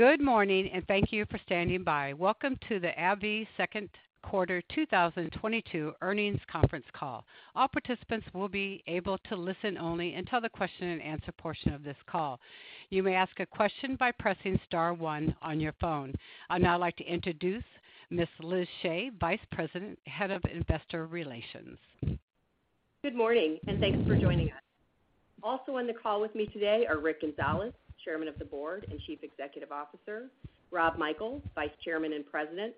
Good morning, and thank you for standing by. Welcome to the AbbVie Second Quarter 2022 Earnings Conference Call. All participants will be able to listen only until the question-and-answer portion of this call. You may ask a question by pressing star one on your phone. I'd now like to introduce Ms. Liz Shea, Vice President, Head of Investor Relations. Good morning, and thanks for joining us. Also on the call with me today are Rick Gonzalez, Chairman of the Board and Chief Executive Officer, Rob Michael, Vice Chairman and President,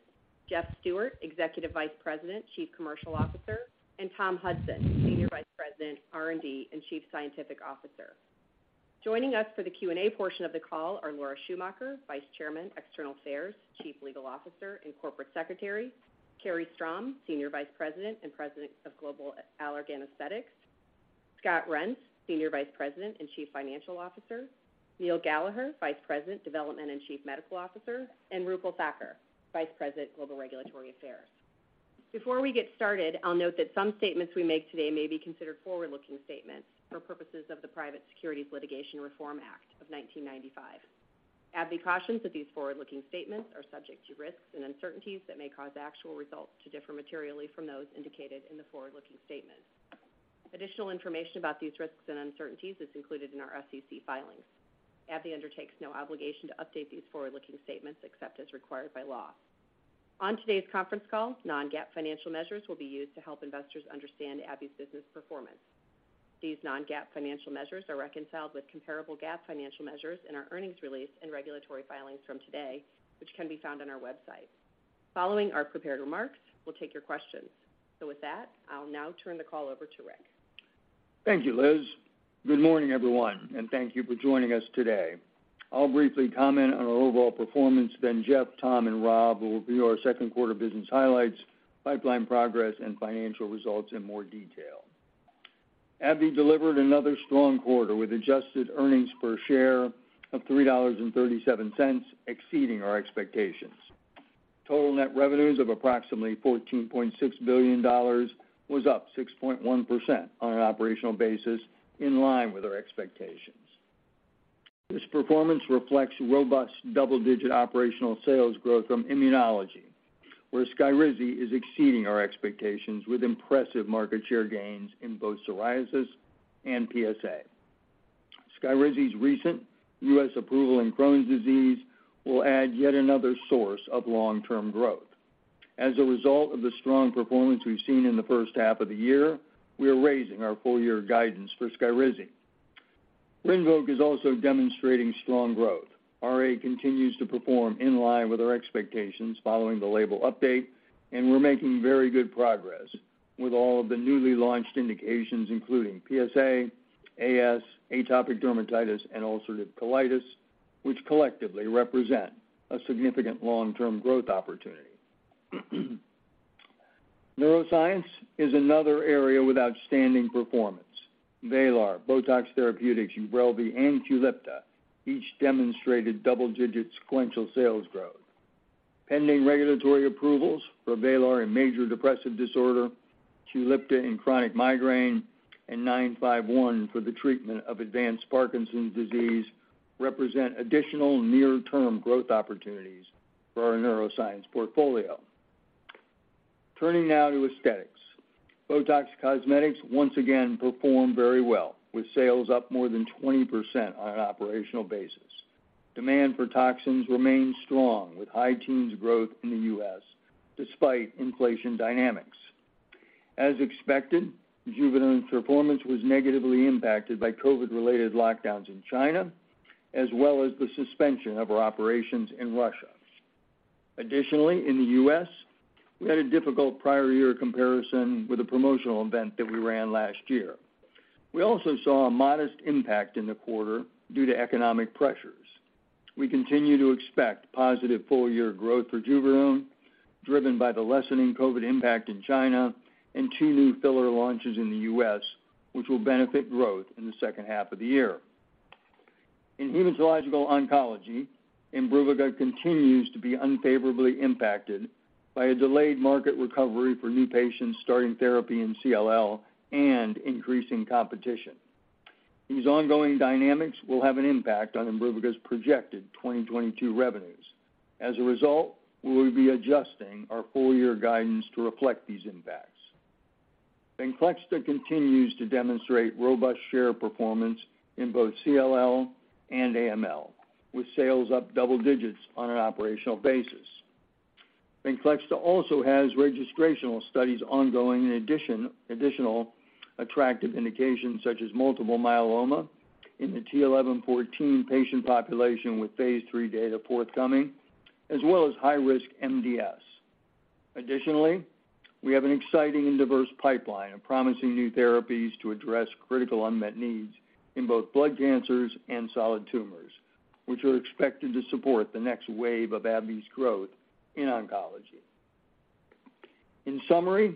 Jeff Stewart, Executive Vice President, Chief Commercial Officer, and Tom Hudson, Senior Vice President, R&D, and Chief Scientific Officer. Joining us for the Q&A portion of the call are Laura Schumacher, Vice Chairman, External Affairs, Chief Legal Officer, and Corporate Secretary, Carrie Strom, Senior Vice President and President of Global Allergan Aesthetics, Scott Reetz, Executive Vice President and Chief Financial Officer, Neil Gallagher, Vice President, Development and Chief Medical Officer, and Roopal Thakkar, Executive Vice President, Research & Development, Chief Scientific Officer. Before we get started, I'll note that some statements we make today may be considered forward-looking statements for purposes of the Private Securities Litigation Reform Act of 1995. AbbVie cautions that these forward-looking statements are subject to risks and uncertainties that may cause actual results to differ materially from those indicated in the forward-looking statement. Additional information about these risks and uncertainties is included in our SEC filings. AbbVie undertakes no obligation to update these forward-looking statements except as required by law. On today's conference call, non-GAAP financial measures will be used to help investors understand AbbVie's business performance. These non-GAAP financial measures are reconciled with comparable GAAP financial measures in our earnings release and regulatory filings from today, which can be found on our website. Following our prepared remarks, we'll take your questions. With that, I'll now turn the call over to Rick. Thank you, Liz. Good morning, everyone, and thank you for joining us today. I'll briefly comment on our overall performance, then Jeff, Tom, and Rob will review our second quarter business highlights, pipeline progress, and financial results in more detail. AbbVie delivered another strong quarter with adjusted earnings per share of $3.37, exceeding our expectations. Total net revenues of approximately $14.6 billion was up 6.1% on an operational basis, in line with our expectations. This performance reflects robust double-digit operational sales growth from Immunology, where Skyrizi is exceeding our expectations with impressive market share gains in both psoriasis and PSA. Skyrizi's recent U.S. approval in Crohn's disease will add yet another source of long-term growth. As a result of the strong performance we've seen in the first half of the year, we are raising our full year guidance for Skyrizi. RINVOQ is also demonstrating strong growth. RA continues to perform in line with our expectations following the label update, and we're making very good progress with all of the newly launched indications, including PSA, AS, atopic dermatitis, and ulcerative colitis, which collectively represent a significant long-term growth opportunity. Neuroscience is another area with outstanding performance. VRAYLAR, BOTOX Therapeutic, UBRELVY, and QULIPTA each demonstrated double-digit sequential sales growth. Pending regulatory approvals for VRAYLAR in major depressive disorder, QULIPTA in chronic migraine, and ABBV-951 for the treatment of advanced Parkinson's disease represent additional near-term growth opportunities for our neuroscience portfolio. Turning now to Aesthetics. BOTOX Cosmetic once again performed very well, with sales up more than 20% on an operational basis. Demand for toxins remains strong, with high-teens growth in the US despite inflation dynamics. As expected, JUVÉDERM's performance was negatively impacted by COVID-related lockdowns in China, as well as the suspension of our operations in Russia. Additionally, in the U..S, we had a difficult prior year comparison with a promotional event that we ran last year. We also saw a modest impact in the quarter due to economic pressures. We continue to expect positive full-year growth for JUVÉDERM, driven by the lessening COVID impact in China and two new filler launches in the U.S., which will benefit growth in the second half of the year. In hemato-oncology, IMBRUVICA continues to be unfavorably impacted by a delayed market recovery for new patients starting therapy in CLL and increasing competition. These ongoing dynamics will have an impact on IMBRUVICA's projected 2022 revenues. As a result, we will be adjusting our full year guidance to reflect these impacts. VENCLEXTA continues to demonstrate robust share performance in both CLL and AML, with sales up double digits on an operational basis. VENCLEXTA also has registrational studies ongoing in additional attractive indications such as multiple myeloma in the t(11;14) patient population with phase III data forthcoming, as well as high-risk MDS. Additionally, we have an exciting and diverse pipeline of promising new therapies to address critical unmet needs in both blood cancers and solid tumors, which are expected to support the next wave of AbbVie's growth in oncology. In summary,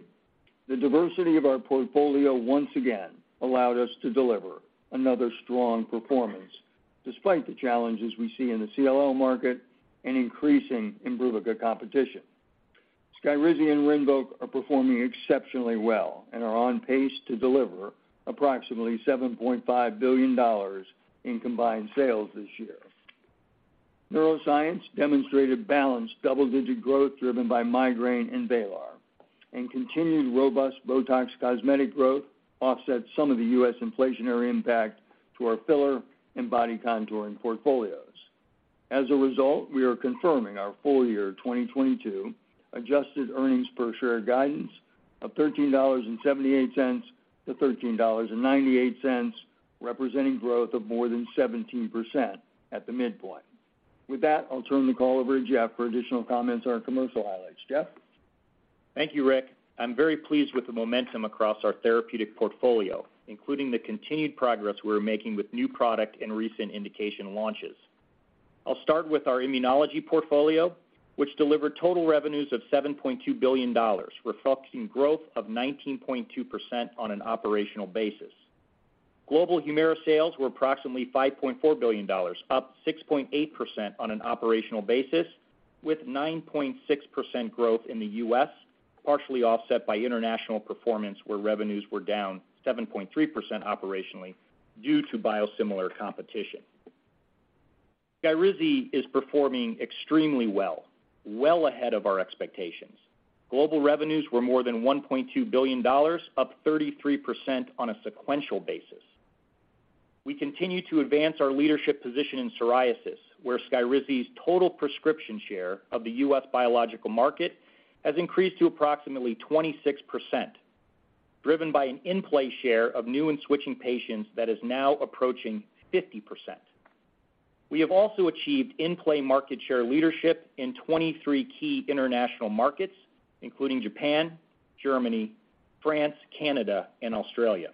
the diversity of our portfolio once again allowed us to deliver another strong performance despite the challenges we see in the CLL market and increasing IMBRUVICA competition. SKYRIZI and RINVOQ are performing exceptionally well and are on pace to deliver approximately $7.5 billion in combined sales this year. Neuroscience demonstrated balanced double-digit growth driven by migraine and VRAYLAR, and continued robust BOTOX Cosmetic growth offset some of the U.S. inflationary impact to our filler and body contouring portfolios. As a result, we are confirming our full year 2022 adjusted earnings per share guidance of $13.78-$13.98, representing growth of more than 17% at the midpoint. With that, I'll turn the call over to Jeff for additional comments on our commercial highlights. Jeff? Thank you, Rick. I'm very pleased with the momentum across our therapeutic portfolio, including the continued progress we're making with new product and recent indication launches. I'll start with our immunology portfolio, which delivered total revenues of $7.2 billion, reflecting growth of 19.2% on an operational basis. Global Humira sales were approximately $5.4 billion, up 6.8% on an operational basis, with 9.6% growth in the U.S., partially offset by international performance, where revenues were down 7.3% operationally due to biosimilar competition. SKYRIZI is performing extremely well, well ahead of our expectations. Global revenues were more than $1.2 billion, up 33% on a sequential basis. We continue to advance our leadership position in psoriasis, where SKYRIZI's total prescription share of the U.S. biological market has increased to approximately 26%, driven by an in-play share of new and switching patients that is now approaching 50%. We have also achieved in-play market share leadership in 23 key international markets, including Japan, Germany, France, Canada and Australia.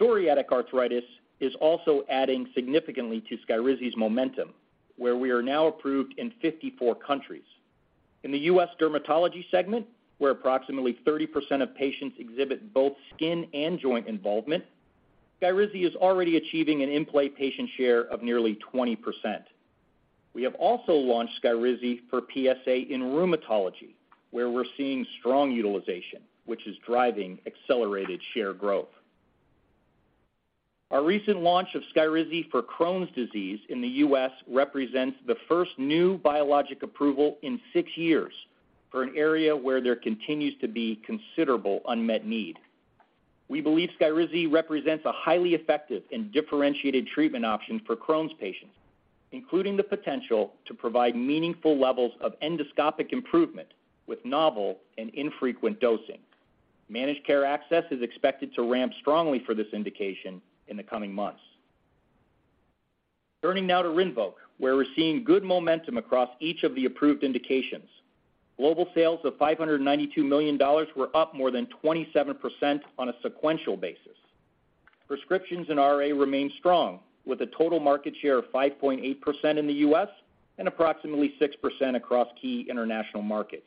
Psoriatic arthritis is also adding significantly to SKYRIZI's momentum, where we are now approved in 54 countries. In the U.S. dermatology segment, where approximately 30% of patients exhibit both skin and joint involvement, SKYRIZI is already achieving an in-play patient share of nearly 20%. We have also launched SKYRIZI for PSA in rheumatology, where we're seeing strong utilization, which is driving accelerated share growth. Our recent launch of SKYRIZI for Crohn's disease in the U.S. represents the first new biologic approval in six years for an area where there continues to be considerable unmet need. We believe SKYRIZI represents a highly effective and differentiated treatment option for Crohn's patients, including the potential to provide meaningful levels of endoscopic improvement with novel and infrequent dosing. Managed care access is expected to ramp strongly for this indication in the coming months. Turning now to RINVOQ, where we're seeing good momentum across each of the approved indications. Global sales of $592 million were up more than 27% on a sequential basis. Prescriptions in RA remain strong, with a total market share of 5.8% in the U.S. and approximately 6% across key international markets.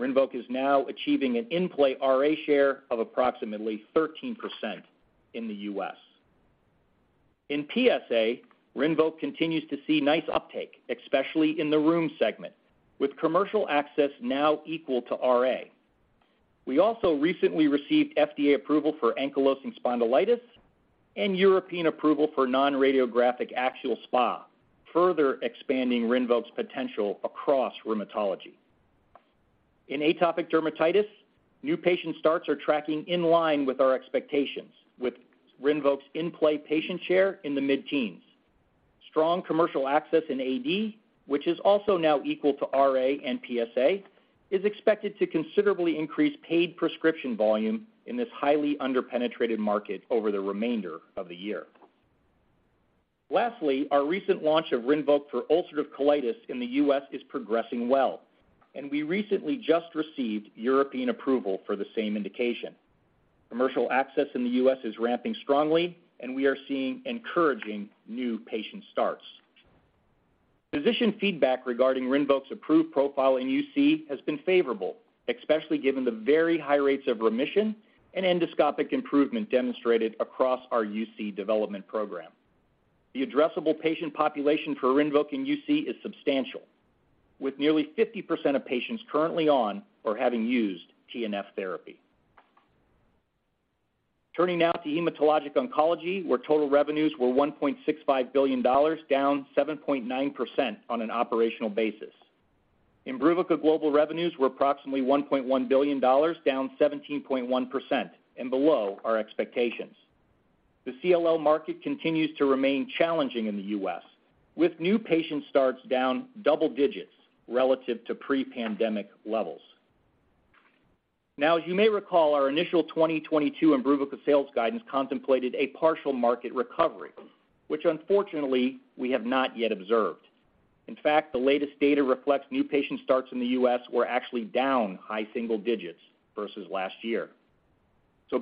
RINVOQ is now achieving an in-play RA share of approximately 13% in the U.S. In PSA, RINVOQ continues to see nice uptake, especially in the rheum segment, with commercial access now equal to RA. We also recently received FDA approval for ankylosing spondylitis and European approval for non-radiographic axial SpA, further expanding RINVOQ's potential across rheumatology. In atopic dermatitis, new patient starts are tracking in line with our expectations, with RINVOQ's in-play patient share in the mid-teens. Strong commercial access in AD, which is also now equal to RA and PSA, is expected to considerably increase paid prescription volume in this highly underpenetrated market over the remainder of the year. Lastly, our recent launch of RINVOQ for ulcerative colitis in the U.S. is progressing well, and we recently just received European approval for the same indication. Commercial access in the U.S. is ramping strongly, and we are seeing encouraging new patient starts. Physician feedback regarding RINVOQ's approved profile in UC has been favorable, especially given the very high rates of remission and endoscopic improvement demonstrated across our UC development program. The addressable patient population for RINVOQ in UC is substantial, with nearly 50% of patients currently on or having used TNF therapy. Turning now to hematologic oncology, where total revenues were $1.65 billion, down 7.9% on an operational basis. IMBRUVICA global revenues were approximately $1.1 billion, down 17.1% and below our expectations. The CLL market continues to remain challenging in the U.S., with new patient starts down double digits relative to pre-pandemic levels. Now, as you may recall, our initial 2022 IMBRUVICA sales guidance contemplated a partial market recovery, which unfortunately we have not yet observed. In fact, the latest data reflects new patient starts in the U.S. were actually down high single digits versus last year.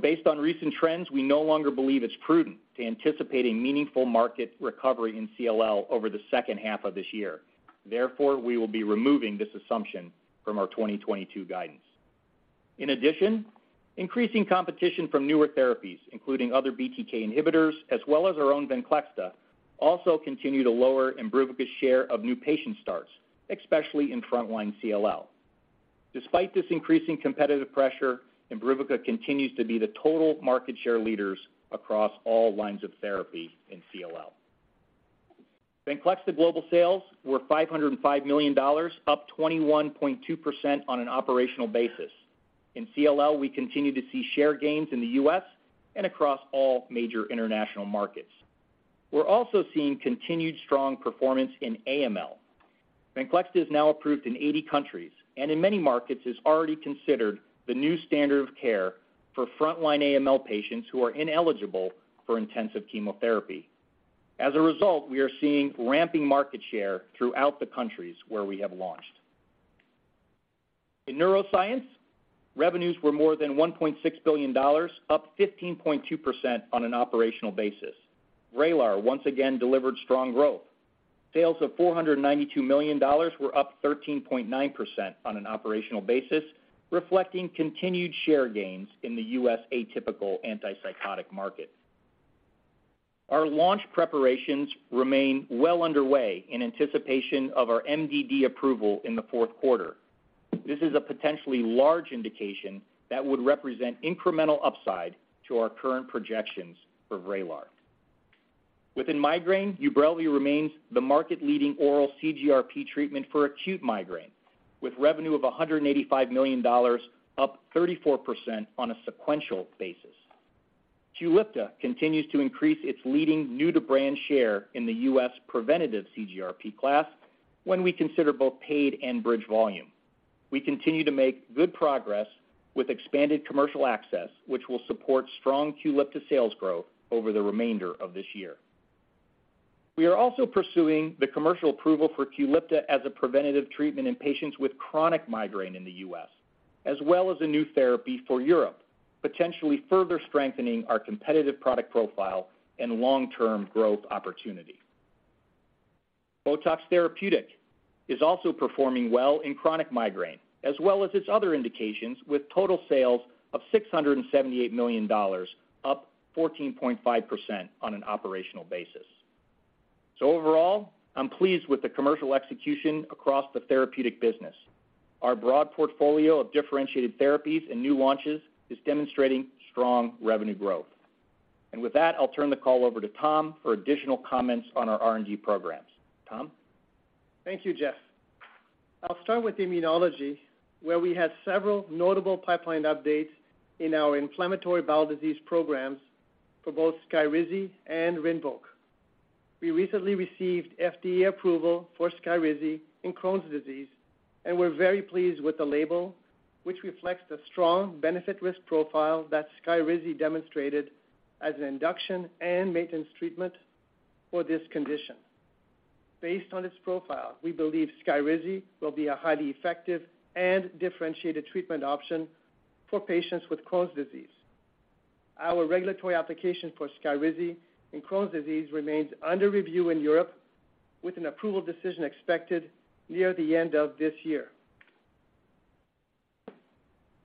Based on recent trends, we no longer believe it's prudent to anticipate a meaningful market recovery in CLL over the second half of this year. Therefore, we will be removing this assumption from our 2022 guidance. In addition, increasing competition from newer therapies, including other BTK inhibitors, as well as our own VENCLEXTA, also continue to lower IMBRUVICA's share of new patient starts, especially in frontline CLL. Despite this increasing competitive pressure, IMBRUVICA continues to be the total market share leaders across all lines of therapy in CLL. VENCLEXTA global sales were $505 million, up 21.2% on an operational basis. In CLL, we continue to see share gains in the U.S. and across all major international markets. We're also seeing continued strong performance in AML. Venclexta is now approved in 80 countries, and in many markets is already considered the new standard of care for frontline AML patients who are ineligible for intensive chemotherapy. As a result, we are seeing ramping market share throughout the countries where we have launched. In neuroscience, revenues were more than $1.6 billion, up 15.2% on an operational basis. Vraylar once again delivered strong growth. Sales of $492 million were up 13.9% on an operational basis, reflecting continued share gains in the U.S. atypical antipsychotic market. Our launch preparations remain well underway in anticipation of our MDD approval in the fourth quarter. This is a potentially large indication that would represent incremental upside to our current projections for Vraylar. Within migraine, UBRELVY remains the market-leading oral CGRP treatment for acute migraine, with revenue of $185 million, up 34% on a sequential basis. QULIPTA continues to increase its leading new-to-brand share in the U.S. preventive CGRP class when we consider both paid and bridge volume. We continue to make good progress with expanded commercial access, which will support strong QULIPTA sales growth over the remainder of this year. We are also pursuing the commercial approval for QULIPTA as a preventive treatment in patients with chronic migraine in the U.S., as well as a new therapy for Europe, potentially further strengthening our competitive product profile and long-term growth opportunity. BOTOX Therapeutic is also performing well in chronic migraine, as well as its other indications, with total sales of $678 million, up 14.5% on an operational basis. Overall, I'm pleased with the commercial execution across the Therapeutic business. Our broad portfolio of differentiated therapies and new launches is demonstrating strong revenue growth. With that, I'll turn the call over to Tom for additional comments on our R&D programs. Tom? Thank you, Jeff. I'll start with Immunology, where we had several notable pipeline updates in our inflammatory bowel disease programs for both SKYRIZI and RINVOQ. We recently received FDA approval for SKYRIZI in Crohn's disease, and we're very pleased with the label, which reflects the strong benefit risk profile that SKYRIZI demonstrated as an induction and maintenance treatment for this condition. Based on its profile, we believe SKYRIZI will be a highly effective and differentiated treatment option for patients with Crohn's disease. Our regulatory application for SKYRIZI in Crohn's disease remains under review in Europe, with an approval decision expected near the end of this year.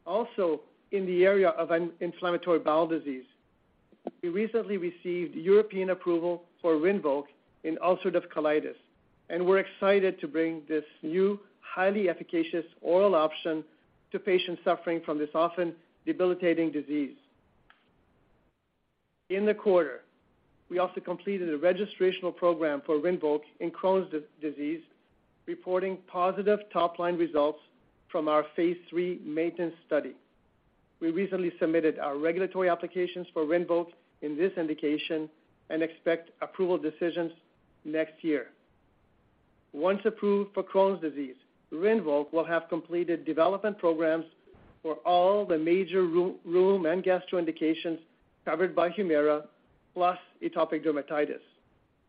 Also, in the area of inflammatory bowel disease, we recently received European approval for RINVOQ in ulcerative colitis, and we're excited to bring this new, highly efficacious oral option to patients suffering from this often debilitating disease. In the quarter, we also completed a registrational program for RINVOQ in Crohn's disease, reporting positive top-line results from our phase III maintenance study. We recently submitted our regulatory applications for RINVOQ in this indication and expect approval decisions next year. Once approved for Crohn's disease, RINVOQ will have completed development programs for all the major rheum and gastro indications covered by HUMIRA, plus atopic dermatitis.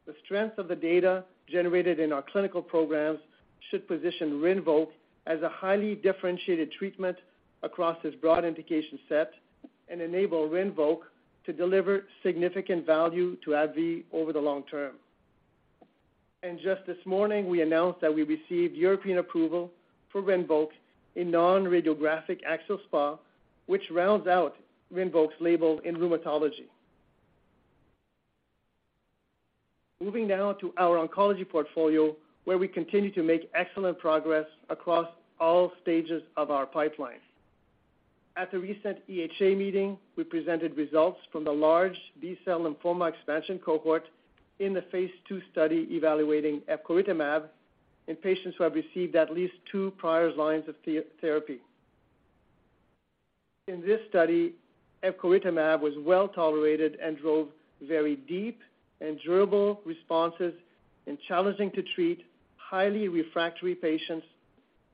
The strength of the data generated in our clinical programs should position RINVOQ as a highly differentiated treatment across this broad indication set and enable RINVOQ to deliver significant value to AbbVie over the long term. Just this morning, we announced that we received European approval for RINVOQ in non-radiographic axial SpA, which rounds out RINVOQ's label in rheumatology. Moving now to our oncology portfolio, where we continue to make excellent progress across all stages of our pipeline. At the recent EHA meeting, we presented results from the large B-cell lymphoma expansion cohort in the phase II study evaluating epcoritamab in patients who have received at least two prior lines of therapy. In this study, epcoritamab was well-tolerated and drove very deep and durable responses in challenging to treat highly refractory patients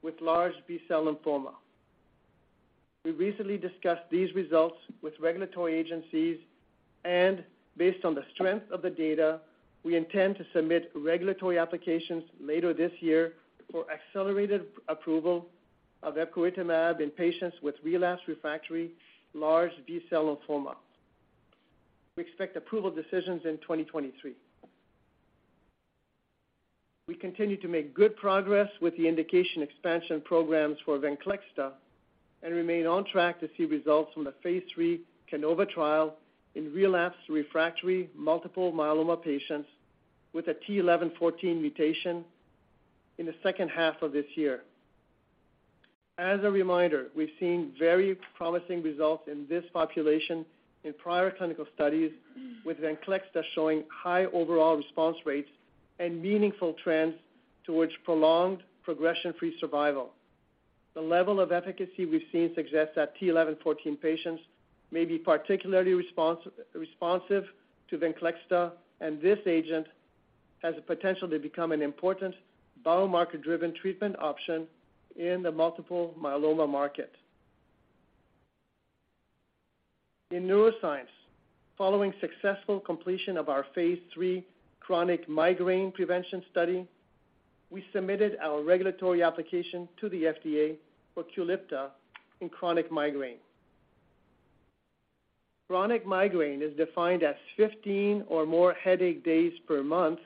with large B-cell lymphoma. We recently discussed these results with regulatory agencies, and based on the strength of the data, we intend to submit regulatory applications later this year for accelerated approval of epcoritamab in patients with relapsed refractory large B-cell lymphoma. We expect approval decisions in 2023. We continue to make good progress with the indication expansion programs for VENCLEXTA and remain on track to see results from the phase III CANOVA trial in relapsed refractory multiple myeloma patients with a t(11;14) mutation in the second half of this year. As a reminder, we've seen very promising results in this population in prior clinical studies with VENCLEXTA showing high overall response rates and meaningful trends towards prolonged progression-free survival. The level of efficacy we've seen suggests that t(11;14) patients may be particularly responsive to VENCLEXTA, and this agent has the potential to become an important biomarker-driven treatment option in the multiple myeloma market. In neuroscience, following successful completion of our phase III chronic migraine prevention study, we submitted our regulatory application to the FDA for QULIPTA in chronic migraine. Chronic migraine is defined as 15 or more headache days per month,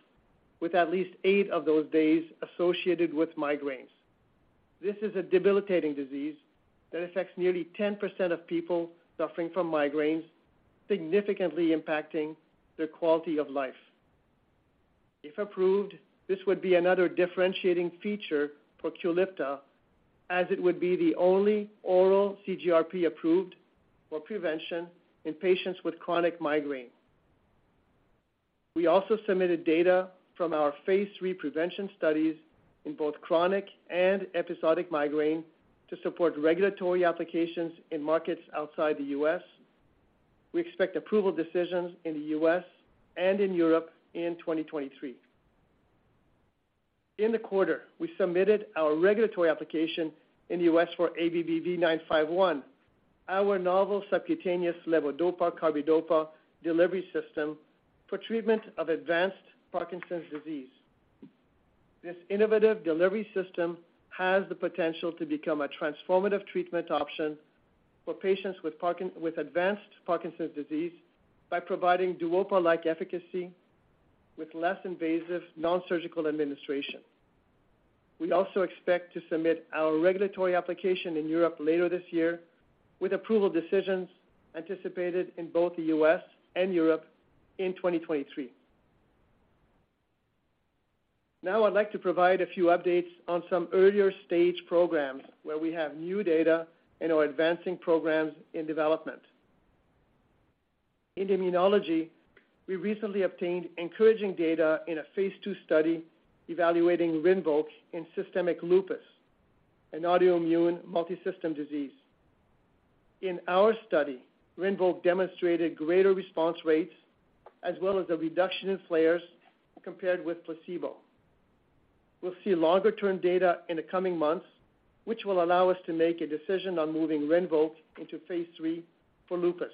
with at least eight of those days associated with migraines. This is a debilitating disease that affects nearly 10% of people suffering from migraines, significantly impacting their quality of life. If approved, this would be another differentiating feature for QULIPTA, as it would be the only oral CGRP approved for prevention in patients with chronic migraine. We also submitted data from our phase III prevention studies in both chronic and episodic migraine to support regulatory applications in markets outside the U.S. We expect approval decisions in the U.S. and in Europe in 2023. In the quarter, we submitted our regulatory application in the U.S. for ABBV-951, our novel subcutaneous levodopa carbidopa delivery system for treatment of advanced Parkinson's disease. This innovative delivery system has the potential to become a transformative treatment option for patients with advanced Parkinson's disease by providing Duopa-like efficacy with less invasive, non-surgical administration. We also expect to submit our regulatory application in Europe later this year, with approval decisions anticipated in both the U.S. and Europe in 2023. Now I'd like to provide a few updates on some earlier stage programs where we have new data and are advancing programs in development. In immunology, we recently obtained encouraging data in a phase II study evaluating Rinvoq in systemic lupus, an autoimmune multisystem disease. In our study, Rinvoq demonstrated greater response rates as well as a reduction in flares compared with placebo. We'll see longer-term data in the coming months, which will allow us to make a decision on moving Rinvoq into phase III for lupus.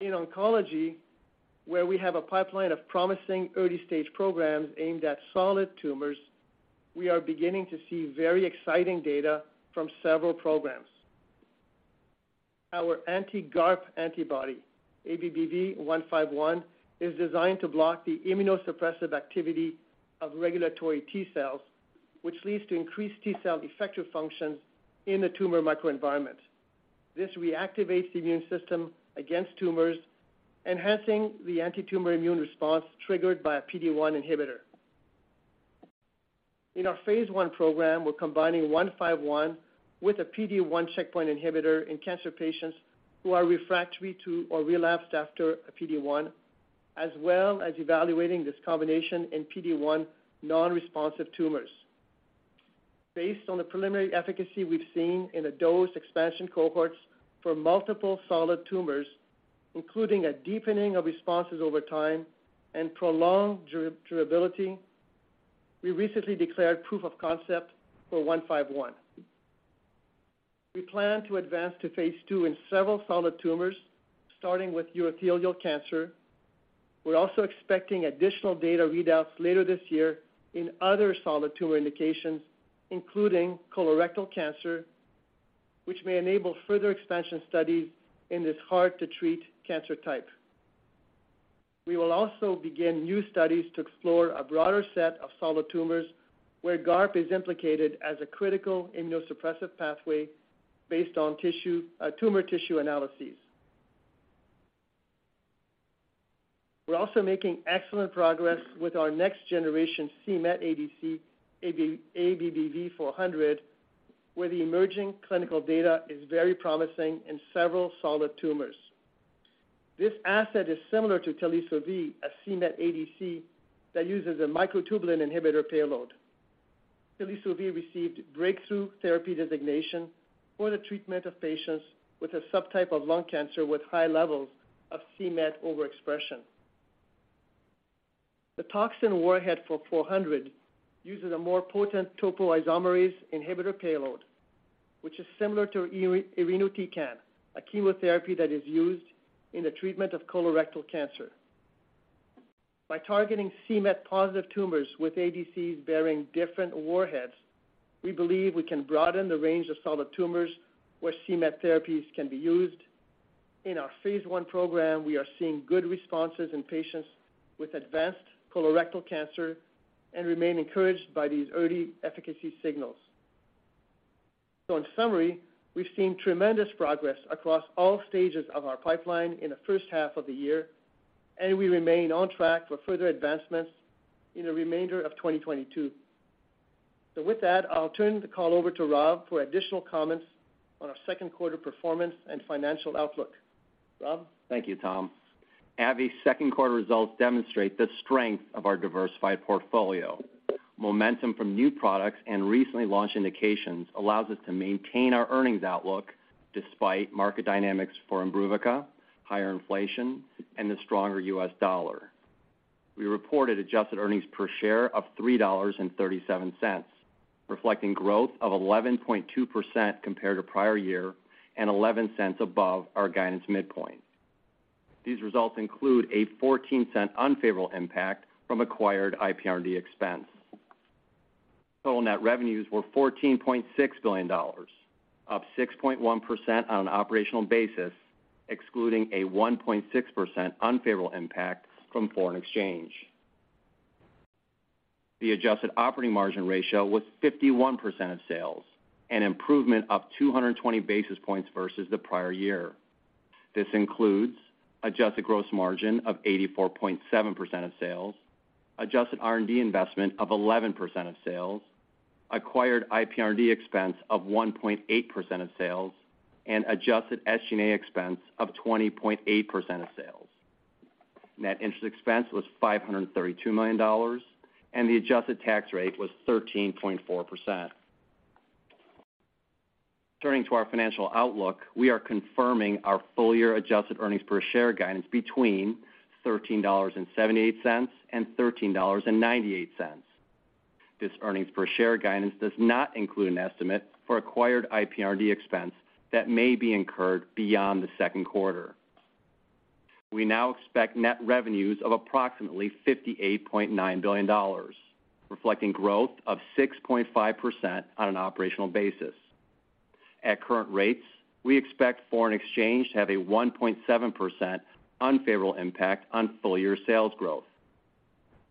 In oncology, where we have a pipeline of promising early-stage programs aimed at solid tumors, we are beginning to see very exciting data from several programs. Our anti-GARP antibody, ABBV-151, is designed to block the immunosuppressive activity of regulatory T-cells, which leads to increased T-cell effector functions in the tumor microenvironment. This reactivates the immune system against tumors, enhancing the antitumor immune response triggered by a PD-1 inhibitor. In our phase I program, we're combining ABBV-151 with a PD-1 checkpoint inhibitor in cancer patients who are refractory to or relapsed after a PD-1, as well as evaluating this combination in PD-1 non-responsive tumors. Based on the preliminary efficacy we've seen in the dose expansion cohorts for multiple solid tumors, including a deepening of responses over time and prolonged durability, we recently declared proof of concept for ABBV-151. We plan to advance to phase II in several solid tumors, starting with urothelial cancer. We're also expecting additional data readouts later this year in other solid tumor indications, including colorectal cancer, which may enable further expansion studies in this hard-to-treat cancer type. We will also begin new studies to explore a broader set of solid tumors where GARP is implicated as a critical immunosuppressive pathway based on tumor tissue analyses. We're also making excellent progress with our next generation c-Met ADC, ABBV-400, where the emerging clinical data is very promising in several solid tumors. This asset is similar to Telisotuzumab vedotin, a c-Met ADC that uses a microtubule inhibitor payload. Telisotuzumab vedotin received breakthrough therapy designation for the treatment of patients with a subtype of lung cancer with high levels of c-Met overexpression. The toxin warhead for 400 uses a more potent topoisomerase inhibitor payload, which is similar to Irinotecan, a chemotherapy that is used in the treatment of colorectal cancer. By targeting c-Met positive tumors with ADCs bearing different warheads, we believe we can broaden the range of solid tumors where c-Met therapies can be used. In our phase I program, we are seeing good responses in patients with advanced colorectal cancer and remain encouraged by these early efficacy signals. In summary, we've seen tremendous progress across all stages of our pipeline in the first half of the year, and we remain on track for further advancements in the remainder of 2022. With that, I'll turn the call over to Rob for additional comments on our second quarter performance and financial outlook. Rob? Thank you, Tom. AbbVie's second quarter results demonstrate the strength of our diversified portfolio. Momentum from new products and recently launched indications allows us to maintain our earnings outlook despite market dynamics for IMBRUVICA, higher inflation, and the stronger U.S. dollar. We reported adjusted earnings per share of $3.37, reflecting 11.2% growth compared to prior year and 11 cents above our guidance midpoint. These results include a 14-cent unfavorable impact from acquired IPR&D expense. Total net revenues were $14.6 billion, up 6.1% on an operational basis, excluding a 1.6% unfavorable impact from foreign exchange. The adjusted operating margin ratio was 51% of sales, an improvement of 220 basis points versus the prior year. This includes adjusted gross margin of 84.7% of sales, adjusted R&D investment of 11% of sales, acquired IPR&D expense of 1.8% of sales, and adjusted SG&A expense of 20.8% of sales. Net interest expense was $532 million, and the adjusted tax rate was 13.4%. Turning to our financial outlook, we are confirming our full-year adjusted earnings per share guidance between $13.78 and $13.98. This earnings per share guidance does not include an estimate for acquired IPR&D expense that may be incurred beyond the second quarter. We now expect net revenues of approximately $58.9 billion, reflecting growth of 6.5% on an operational basis. At current rates, we expect foreign exchange to have a 1.7% unfavorable impact on full-year sales growth.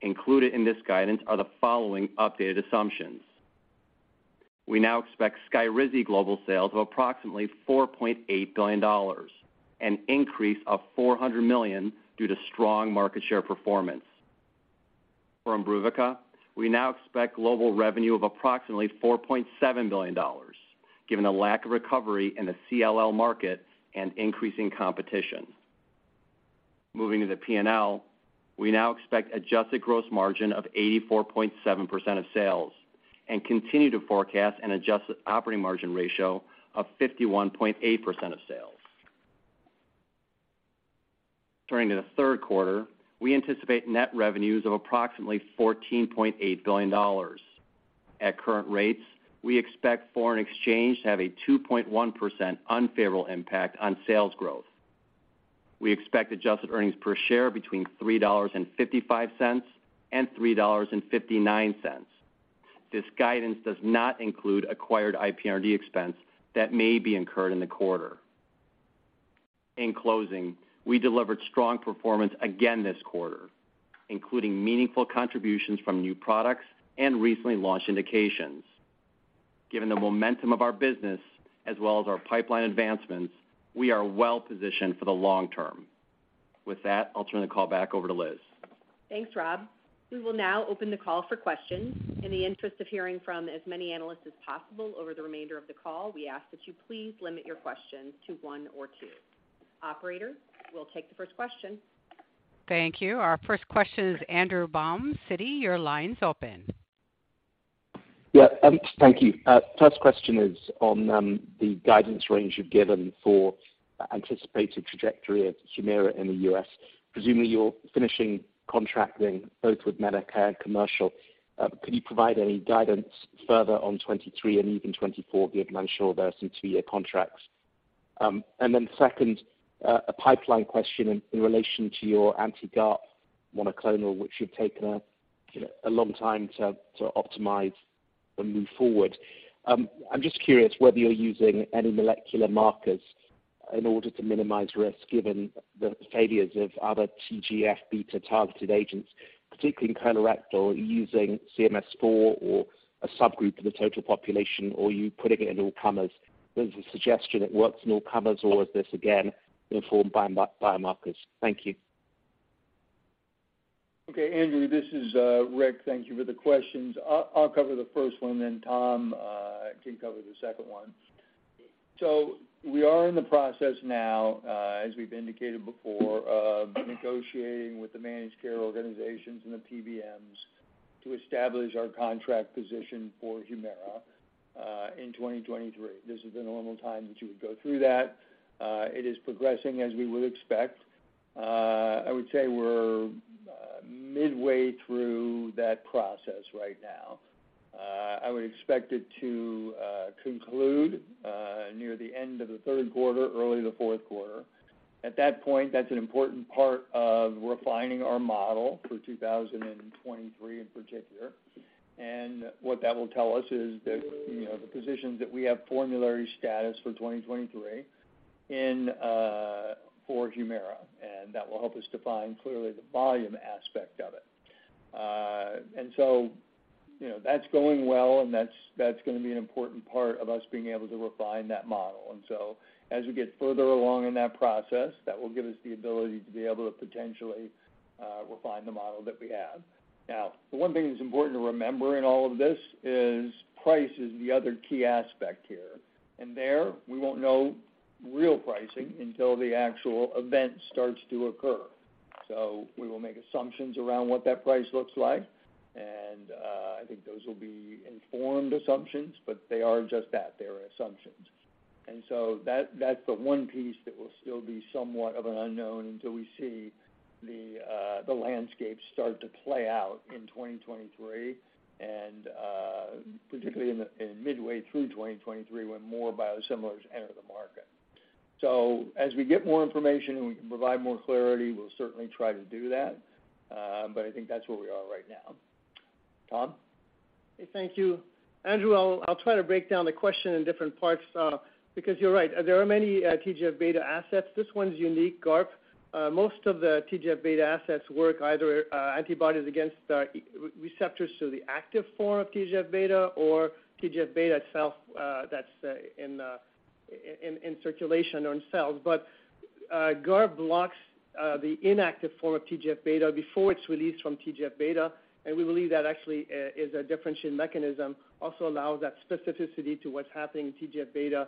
Included in this guidance are the following updated assumptions. We now expect SKYRIZI global sales of approximately $4.8 billion, an increase of $400 million due to strong market share performance. For IMBRUVICA, we now expect global revenue of approximately $4.7 billion, given the lack of recovery in the CLL market and increasing competition. Moving to the P&L, we now expect adjusted gross margin of 84.7% of sales and continue to forecast an adjusted operating margin ratio of 51.8% of sales. Turning to the third quarter, we anticipate net revenues of approximately $14.8 billion. At current rates, we expect foreign exchange to have a 2.1% unfavorable impact on sales growth. We expect adjusted earnings per share between $3.55 and $3.59. This guidance does not include acquired IPR&D expense that may be incurred in the quarter. In closing, we delivered strong performance again this quarter, including meaningful contributions from new products and recently launched indications. Given the momentum of our business as well as our pipeline advancements, we are well positioned for the long term. With that, I'll turn the call back over to Liz. Thanks, Rob. We will now open the call for questions. In the interest of hearing from as many Analysts as possible over the remainder of the call, we ask that you please limit your questions to one or two. Operator, we'll take the first question. Thank you. Our first question is Andrew Baum, Citi. Your line's open. Yeah, thank you. First question is on the guidance range you've given for anticipated trajectory of HUMIRA in the U.S. Presumably, you're finishing contracting both with Medicare and commercial. Could you provide any guidance further on 2023 and even 2024, given I'm sure there are some two-year contracts? And then second, a pipeline question in relation to your anti-GARP monoclonal, which you've taken a, you know, a long time to optimize and move forward. I'm just curious whether you're using any molecular markers in order to minimize risk given the failures of other TGF-beta-targeted agents, particularly in colorectal. Are you using CMS4 or a subgroup of the total population, or are you putting it in all comers? There's a suggestion it works in all comers, or is this again informed by biomarkers? Thank you. Okay, Andrew, this is Rick. Thank you for the questions. I'll cover the first one, then Tom can cover the second one. We are in the process now, as we've indicated before, of negotiating with the managed care organizations and the PBMs to establish our contract position for Humira in 2023. This is the normal time that you would go through that. It is progressing as we would expect. I would say we're midway through that process right now. I would expect it to conclude near the end of the third quarter, early fourth quarter. At that point, that's an important part of refining our model for 2023 in particular. What that will tell us is the, you know, the positions that we have formulary status for 2023 in, for HUMIRA, and that will help us define clearly the volume aspect of it. You know, that's going well, and that's gonna be an important part of us being able to refine that model. As we get further along in that process, that will give us the ability to be able to potentially refine the model that we have. Now the one thing that's important to remember in all of this is price is the other key aspect here. There we won't know real pricing until the actual event starts to occur. We will make assumptions around what that price looks like. I think those will be informed assumptions, but they are just that. They are assumptions. That, that's the one piece that will still be somewhat of an unknown until we see the landscape start to play out in 2023 and, particularly in midway through 2023 when more biosimilars enter the market. As we get more information and we can provide more clarity, we'll certainly try to do that. I think that's where we are right now. Tom? Thank you. Andrew, I'll try to break down the question in different parts, because you're right. There are many TGF-beta assets. This one's unique, GARP. Most of the TGF-beta assets work either antibodies against receptors to the active form of TGF-beta or TGF-beta itself, that's in circulation themselves. But GARP blocks the inactive form of TGF-beta before it's released from TGF-beta, and we believe that actually is a differentiating mechanism, also allows that specificity to what's happening in TGF-beta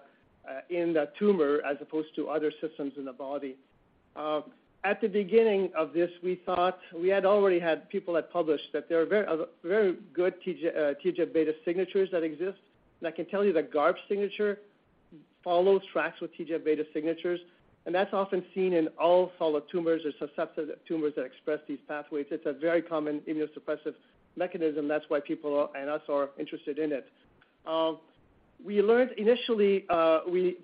in the tumor as opposed to other systems in the body. At the beginning of this, we thought we had already had people that published that there are a very good TGF-beta signatures that exist. I can tell you that GARP's signature follows tracks with TGF-beta signatures, and that's often seen in all solid tumors or susceptible tumors that express these pathways. It's a very common immunosuppressive mechanism. That's why people and us are interested in it. We learned initially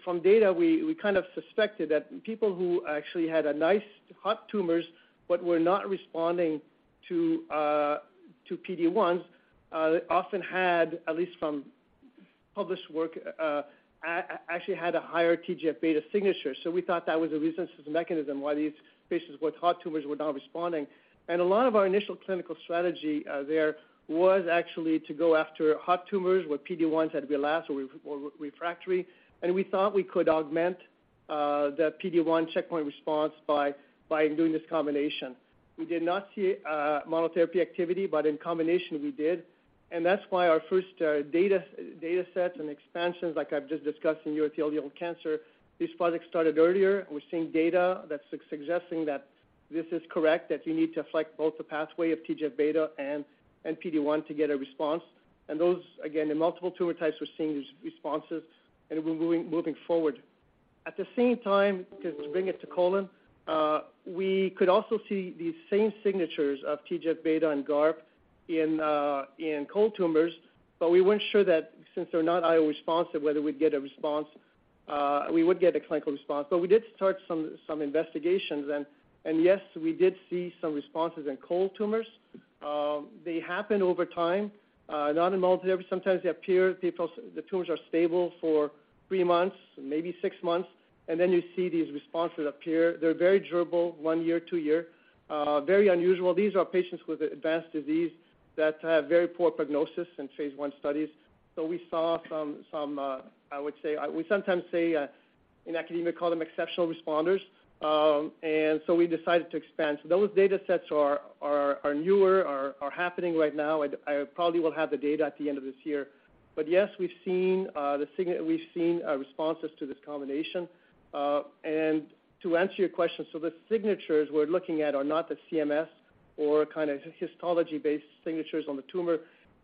from data we kind of suspected that people who actually had a nice hot tumors but were not responding to PD-1 often had, at least from published work, actually had a higher TGF-beta signature. So we thought that was a resistance mechanism why these patients with hot tumors were not responding. A lot of our initial clinical strategy there was actually to go after hot tumors where PD-1s had relapsed or were refractory, and we thought we could augment the PD-1 checkpoint response by doing this combination. We did not see monotherapy activity, but in combination we did. That's why our first data sets and expansions, like I've just discussed in urothelial cancer, this project started earlier. We're seeing data that's suggesting that this is correct, that you need to affect both the pathway of TGF-beta and PD-1 to get a response. Those, again, in multiple tumor types, we're seeing these responses, and we're moving forward. At the same time, to bring it to colon, we could also see these same signatures of TGF-beta and GARP in colon tumors, but we weren't sure that since they're not IO responsive, whether we'd get a response, we would get a clinical response. We did start some investigations and yes, we did see some responses in colon tumors. They happen over time, not in monotherapy. Sometimes they appear. The tumors are stable for three months, maybe six months, and then you see these responses appear. They're very durable, one year, two year. Very unusual. These are patients with advanced disease that have very poor prognosis in phase I studies. We saw some. I would say we sometimes say in academic call them exceptional responders. We decided to expand. Those data sets are newer, are happening right now. I probably will have the data at the end of this year. Yes, we've seen responses to this combination. To answer your question, the signatures we're looking at are not the CMS or kind of histology-based signatures on the tumor.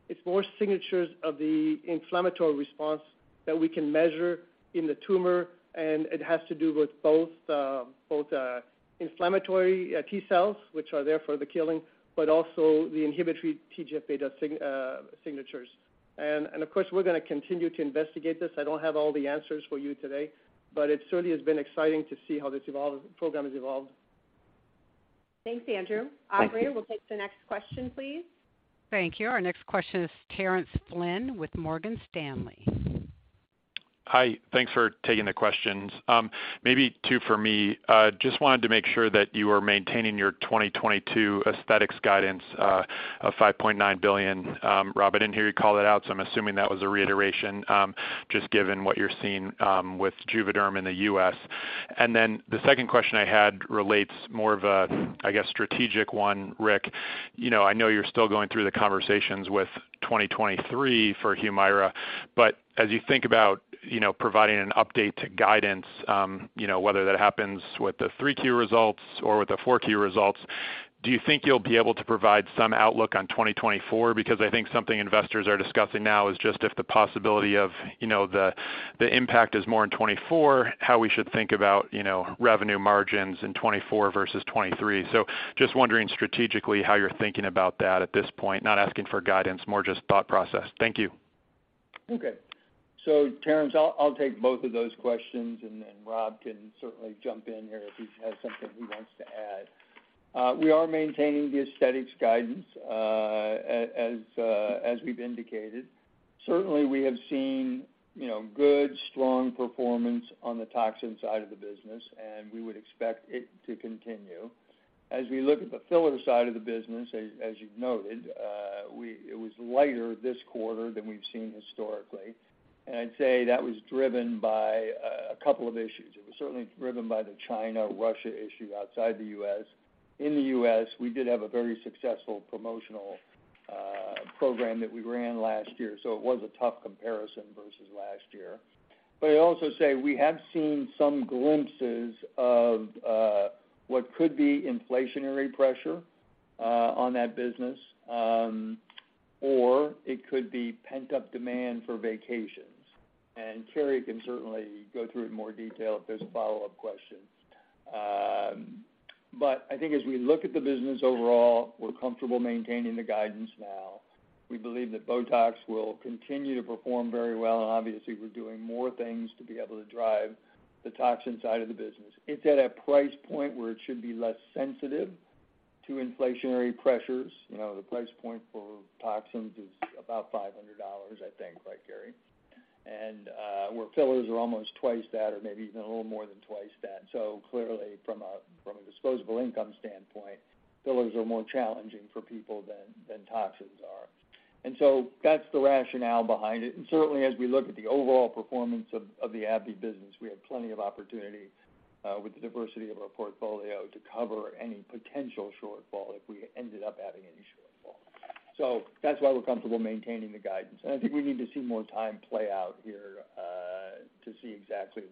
It's more signatures of the inflammatory response that we can measure in the tumor, and it has to do with both inflammatory T-cells, which are there for the killing, but also the inhibitory TGF-beta signatures. Of course, we're gonna continue to investigate this. I don't have all the answers for you today, but it certainly has been exciting to see how this evolved program has evolved. Thanks, Andrew. Thank you. Operator, we'll take the next question, please. Thank you. Our next question is Terence Flynn with Morgan Stanley. Hi. Thanks for taking the questions. Maybe two for me. Just wanted to make sure that you are maintaining your 2022 aesthetics guidance of $5.9 billion. Robert, I didn't hear you call it out, so I'm assuming that was a reiteration, just given what you're seeing with JUVÉDERM in the US. The second question I had relates more to a, I guess, strategic one, Rick. You know, I know you're still going through the conversations with 2023 for HUMIRA. As you think about, you know, providing an update to guidance, you know, whether that happens with the 3Q results or with the 4Q results, do you think you'll be able to provide some outlook on 2024? Because I think something investors are discussing now is just if the possibility of, you know, the impact is more in 2024, how we should think about, you know, revenue margins in 2024 versus 2023. Just wondering strategically how you're thinking about that at this point. Not asking for guidance, more just thought process. Thank you. Okay. Terence, I'll take both of those questions, and then Rob can certainly jump in here if he has something he wants to add. We are maintaining the aesthetics guidance, as we've indicated. Certainly we have seen, you know, good, strong performance on the toxin side of the business, and we would expect it to continue. As we look at the filler side of the business, as you've noted, it was lighter this quarter than we've seen historically. I'd say that was driven by a couple of issues. It was certainly driven by the China, Russia issue outside the US. In the US, we did have a very successful promotional program that we ran last year, so it was a tough comparison versus last year. I'd also say we have seen some glimpses of what could be inflationary pressure on that business, or it could be pent-up demand for vacations. Carrie can certainly go through it in more detail if there's follow-up questions. I think as we look at the business overall, we're comfortable maintaining the guidance now. We believe that BOTOX will continue to perform very well, and obviously we're doing more things to be able to drive the toxin side of the business. It's at a price point where it should be less sensitive to inflationary pressures. You know, the price point for toxins is about $500, I think, right, Carrie? Where fillers are almost twice that or maybe even a little more than twice that. Clearly from a disposable income standpoint, fillers are more challenging for people than toxins are. That's the rationale behind it. Certainly as we look at the overall performance of the AbbVie business, we have plenty of opportunity with the diversity of our portfolio to cover any potential shortfall if we ended up having any shortfall. That's why we're comfortable maintaining the guidance. I think we need to see more time play out here to see exactly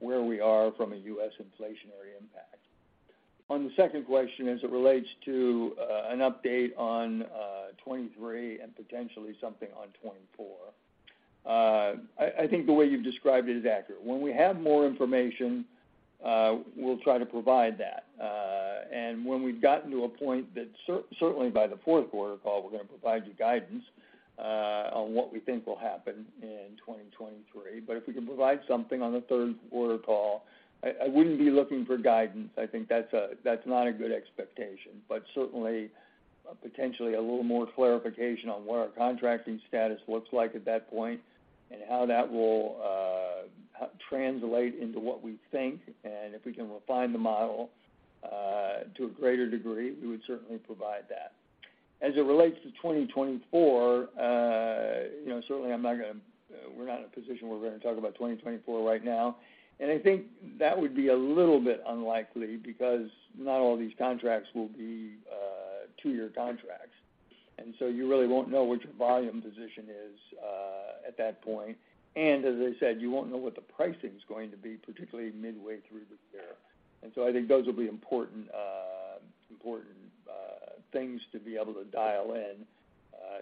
where we are from a U.S. inflationary impact. On the second question, as it relates to an update on 2023 and potentially something on 2024, I think the way you've described it is accurate. When we have more information, we'll try to provide that. When we've gotten to a point that certainly by the fourth quarter call, we're gonna provide you guidance on what we think will happen in 2023. If we can provide something on the third quarter call, I wouldn't be looking for guidance. I think that's not a good expectation. Certainly, potentially a little more clarification on what our contracting status looks like at that point and how that will translate into what we think, and if we can refine the model to a greater degree, we would certainly provide that. As it relates to 2024, you know, certainly I'm not gonna—we're not in a position where we're gonna talk about 2024 right now. I think that would be a little bit unlikely because not all these contracts will be two-year contracts. You really won't know what your volume position is at that point. As I said, you won't know what the pricing's going to be, particularly midway through the year. I think those will be important things to be able to dial in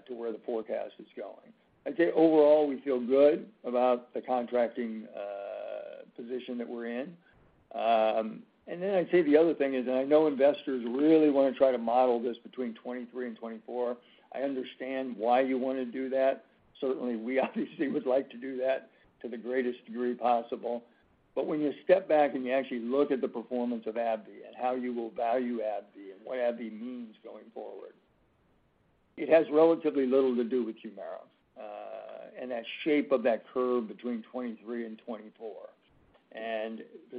to where the forecast is going. I'd say overall, we feel good about the contracting position that we're in. I'd say the other thing is that I know investors really wanna try to model this between 2023 and 2024. I understand why you wanna do that. Certainly, we obviously would like to do that to the greatest degree possible. When you step back and you actually look at the performance of AbbVie and how you will value AbbVie and what AbbVie means going forward, it has relatively little to do with Humira and that shape of that curve between 2023 and 2024.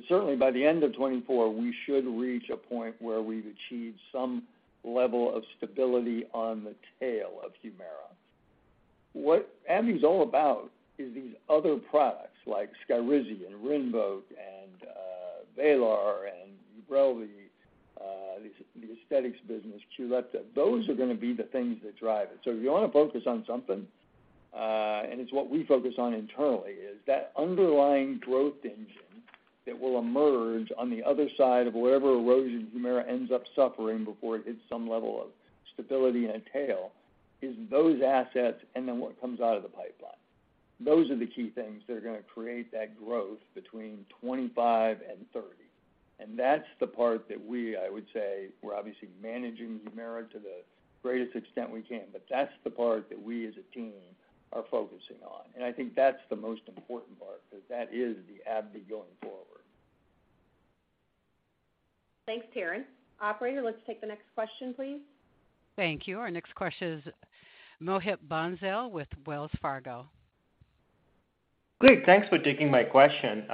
Certainly by the end of 2024, we should reach a point where we've achieved some level of stability on the tail of Humira. What AbbVie's all about is these other products like SKYRIZI and Rinvoq and Vraylar and Ubrelvy, the aesthetics business, Qulipta. Those are gonna be the things that drive it. If you wanna focus on something, and it's what we focus on internally, is that underlying growth engine that will emerge on the other side of whatever erosion HUMIRA ends up suffering before it hits some level of stability and a tail, is those assets and then what comes out of the pipeline. Those are the key things that are gonna create that growth between 2025 and 2030. That's the part that we, I would say, we're obviously managing HUMIRA to the greatest extent we can, but that's the part that we as a team are focusing on. I think that's the most important part because that is the AbbVie going forward. Thanks, Terence. Operator, let's take the next question, please. Thank you. Our next question is Mohit Bansal with Wells Fargo. Great. Thanks for taking my question.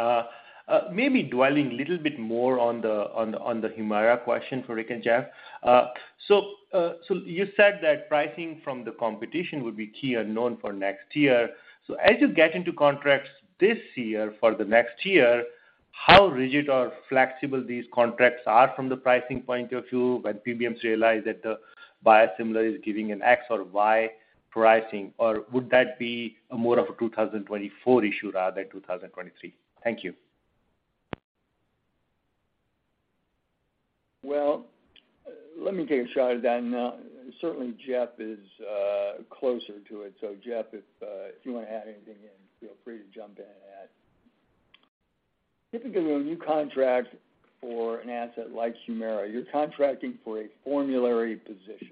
Maybe dwelling a little bit more on the Humira question for Rick Gonzalez and Jeff Stewart. You said that pricing from the competition would be key and known for next year. As you get into contracts this year for the next year, how rigid or flexible these contracts are from the pricing point of view, when PBMs realize that the biosimilar is giving an X or Y pricing? Would that be more of a 2024 issue rather than 2023? Thank you. Well, let me take a shot at that. Certainly Jeff is closer to it. Jeff, if you wanna add anything in, feel free to jump in and add. Typically, when you contract for an asset like HUMIRA, you're contracting for a formulary position.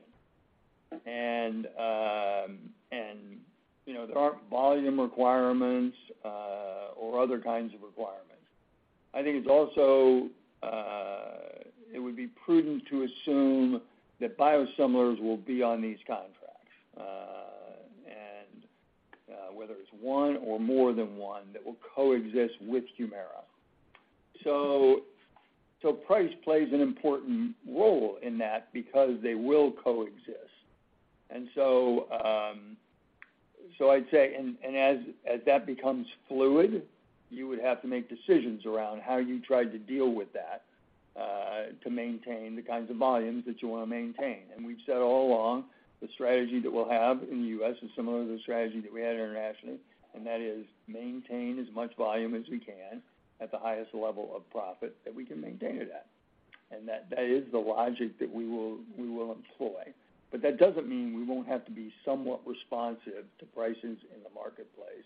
You know, there aren't volume requirements or other kinds of requirements. I think it's also it would be prudent to assume that biosimilars will be on these contracts and whether it's one or more than one that will coexist with HUMIRA. So price plays an important role in that because they will coexist. I'd say and as that becomes fluid, you would have to make decisions around how you try to deal with that to maintain the kinds of volumes that you wanna maintain. We've said all along, the strategy that we'll have in the US is similar to the strategy that we had internationally, and that is maintain as much volume as we can at the highest level of profit that we can maintain it at. That is the logic that we will employ. But that doesn't mean we won't have to be somewhat responsive to prices in the marketplace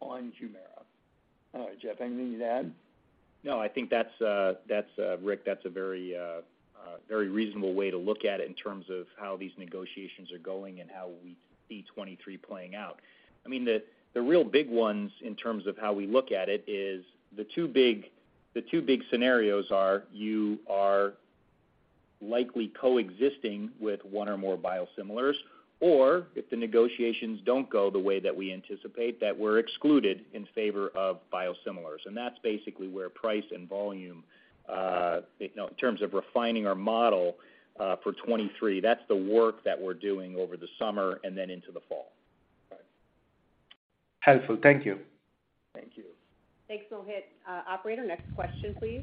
on HUMIRA. Jeff, anything to add? No, I think that's Rick, that's a very reasonable way to look at it in terms of how these negotiations are going and how we see 2023 playing out. I mean, the real big ones in terms of how we look at it is the two big scenarios are you are likely coexisting with one or more biosimilars, or if the negotiations don't go the way that we anticipate, that we're excluded in favor of biosimilars. That's basically where price and volume, you know, in terms of refining our model, for 2023, that's the work that we're doing over the summer and then into the fall. Right. Helpful. Thank you. Thank you. Thanks, Mohit. Operator, next question, please.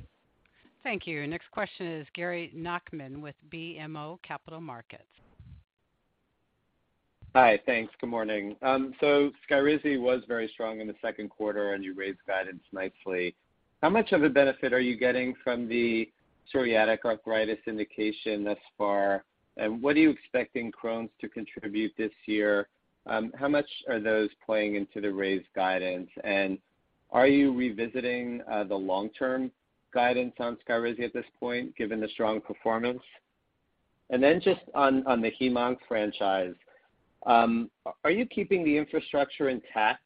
Thank you. Next question is Gary Nachman with BMO Capital Markets. Hi. Thanks. Good morning. SKYRIZI was very strong in the second quarter, and you raised guidance nicely. How much of a benefit are you getting from the psoriatic arthritis indication thus far? What are you expecting Crohn's to contribute this year? How much are those playing into the raised guidance? Are you revisiting the long-term guidance on SKYRIZI at this point, given the strong performance? Just on the HEMONC franchise, are you keeping the infrastructure intact,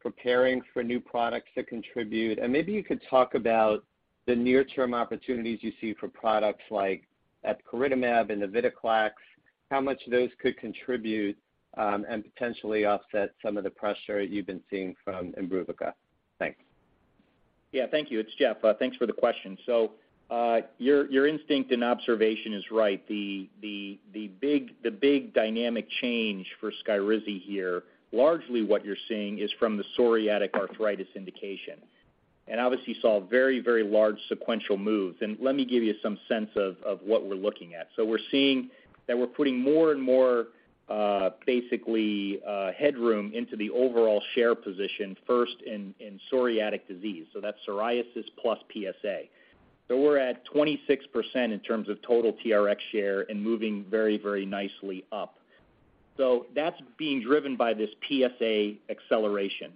preparing for new products to contribute? Maybe you could talk about the near-term opportunities you see for products like epcoritamab and navitoclax, how much those could contribute, and potentially offset some of the pressure you've been seeing from IMBRUVICA. Thanks. Yeah, thank you. It's Jeff. Thanks for the question. Your instinct and observation is right. The big dynamic change for SKYRIZI here, largely what you're seeing is from the psoriatic arthritis indication. Obviously saw very, very large sequential moves. Let me give you some sense of what we're looking at. We're seeing that we're putting more and more, basically, headroom into the overall share position first in psoriatic disease. That's psoriasis plus PSA. We're at 26% in terms of total TRX share and moving very, very nicely up. That's being driven by this PSA acceleration.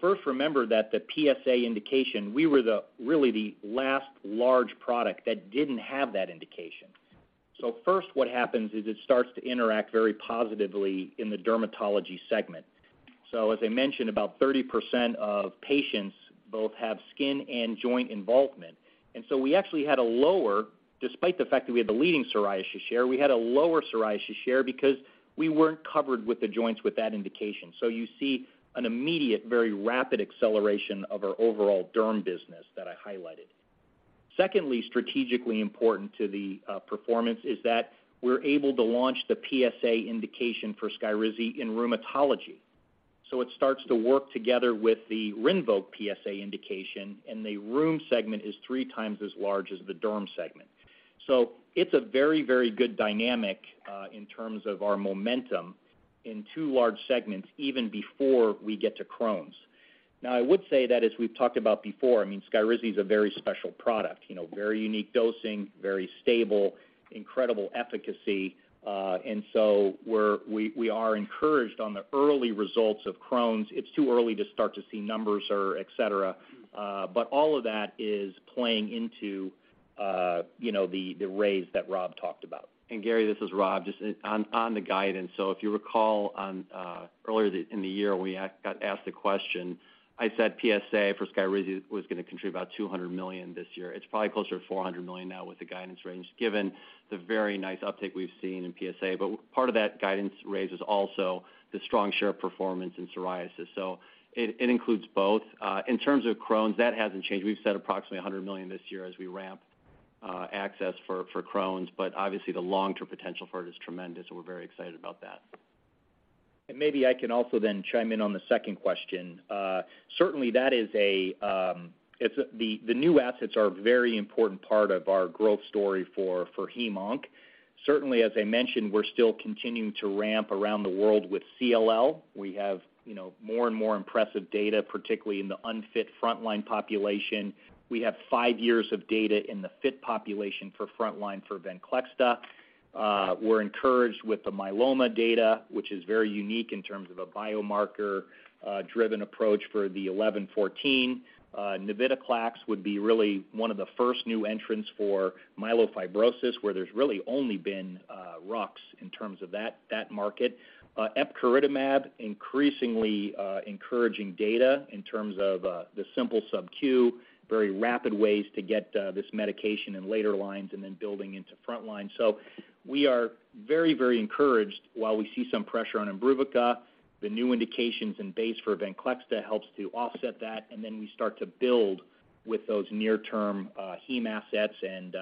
First, remember that the PSA indication, we were really the last large product that didn't have that indication. First, what happens is it starts to interact very positively in the dermatology segment. As I mentioned, about 30% of patients both have skin and joint involvement. We actually had a lower, despite the fact that we had the leading psoriasis share, we had a lower psoriasis share because we weren't covered with the joints with that indication. You see an immediate, very rapid acceleration of our overall derm business that I highlighted. Secondly, strategically important to the performance is that we're able to launch the PSA indication for SKYRIZI in rheumatology. It starts to work together with the RINVOQ PSA indication, and the rheum segment is three times as large as the derm segment. It's a very, very good dynamic in terms of our momentum in two large segments, even before we get to Crohn's. Now, I would say that as we've talked about before, I mean, SKYRIZI is a very special product, you know, very unique dosing, very stable, incredible efficacy. We are encouraged on the early results of Crohn's. It's too early to start to see numbers or etcetera. All of that is playing into, you know, the raise that Rob talked about. Gary, this is Rob. Just on the guidance. If you recall earlier in the year when we got asked the question, I said PSA for SKYRIZI was gonna contribute about $200 million this year. It's probably closer to $400 million now with the guidance range, given the very nice uptick we've seen in PSA. Part of that guidance raise is also the strong share performance in psoriasis. It includes both. In terms of Crohn's, that hasn't changed. We've said approximately $100 million this year as we ramp access for Crohn's, but obviously the long-term potential for it is tremendous, and we're very excited about that. Maybe I can also then chime in on the second question. Certainly, the new assets are a very important part of our growth story for HEMONC. Certainly, as I mentioned, we're still continuing to ramp around the world with CLL. We have, you know, more and more impressive data, particularly in the unfit frontline population. We have five years of data in the fit population for frontline VENCLEXTA. We're encouraged with the myeloma data, which is very unique in terms of a biomarker driven approach for the t(11;14). Navitoclax would be really one of the first new entrants for myelofibrosis, where there's really only been Ruxolitinib. In terms of that market. Epcoritamab, increasingly encouraging data in terms of the simple subQ, very rapid ways to get this medication in later lines and then building into front line. We are very, very encouraged. While we see some pressure on IMBRUVICA, the new indications and base for VENCLEXTA helps to offset that, and then we start to build with those near-term heme assets and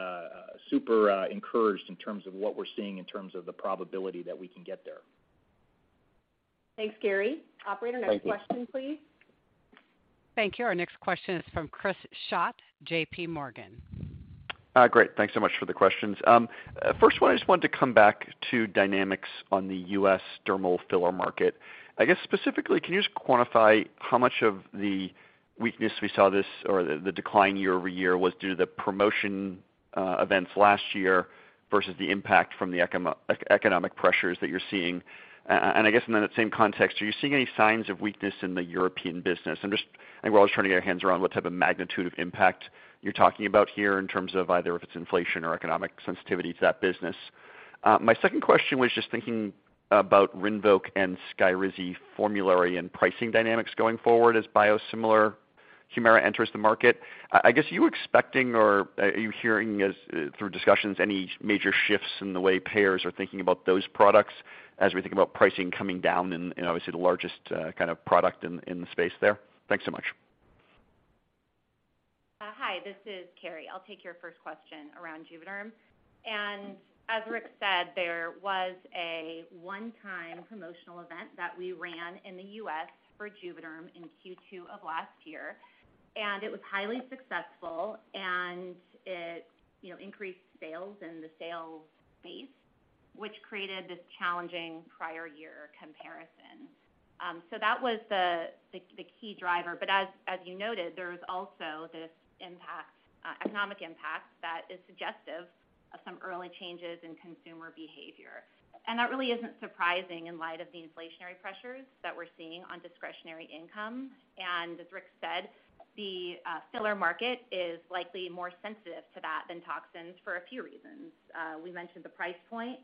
super encouraged in terms of what we're seeing in terms of the probability that we can get there. Thanks, Gary. Thank you. Operator, next question, please. Thank you. Our next question is from Chris Schott, JPMorgan. Great. Thanks so much for the questions. First one, I just wanted to come back to dynamics on the U.S. dermal filler market. I guess specifically, can you just quantify how much of the weakness we saw, the decline year over year was due to the promotion events last year versus the impact from the economic pressures that you're seeing? And I guess in that same context, are you seeing any signs of weakness in the European business? I'm just I think we're all just trying to get our hands around what type of magnitude of impact you're talking about here in terms of either if it's inflation or economic sensitivity to that business. My second question was just thinking about RINVOQ and SKYRIZI formulary and pricing dynamics going forward as biosimilar HUMIRA enters the market. I guess, are you expecting or are you hearing, as through discussions, any major shifts in the way payers are thinking about those products as we think about pricing coming down and obviously the largest kind of product in the space there? Thanks so much. Hi, this is Carrie. I'll take your first question around JUVÉDERM. As Rick said, there was a one-time promotional event that we ran in the U.S. for JUVÉDERM in Q2 of last year, and it was highly successful and it, you know, increased sales in the sales base, which created this challenging prior year comparison. That was the key driver. As you noted, there was also this economic impact that is suggestive of some early changes in consumer behavior. That really isn't surprising in light of the inflationary pressures that we're seeing on discretionary income. As Rick said, the filler market is likely more sensitive to that than toxins for a few reasons. We mentioned the price point.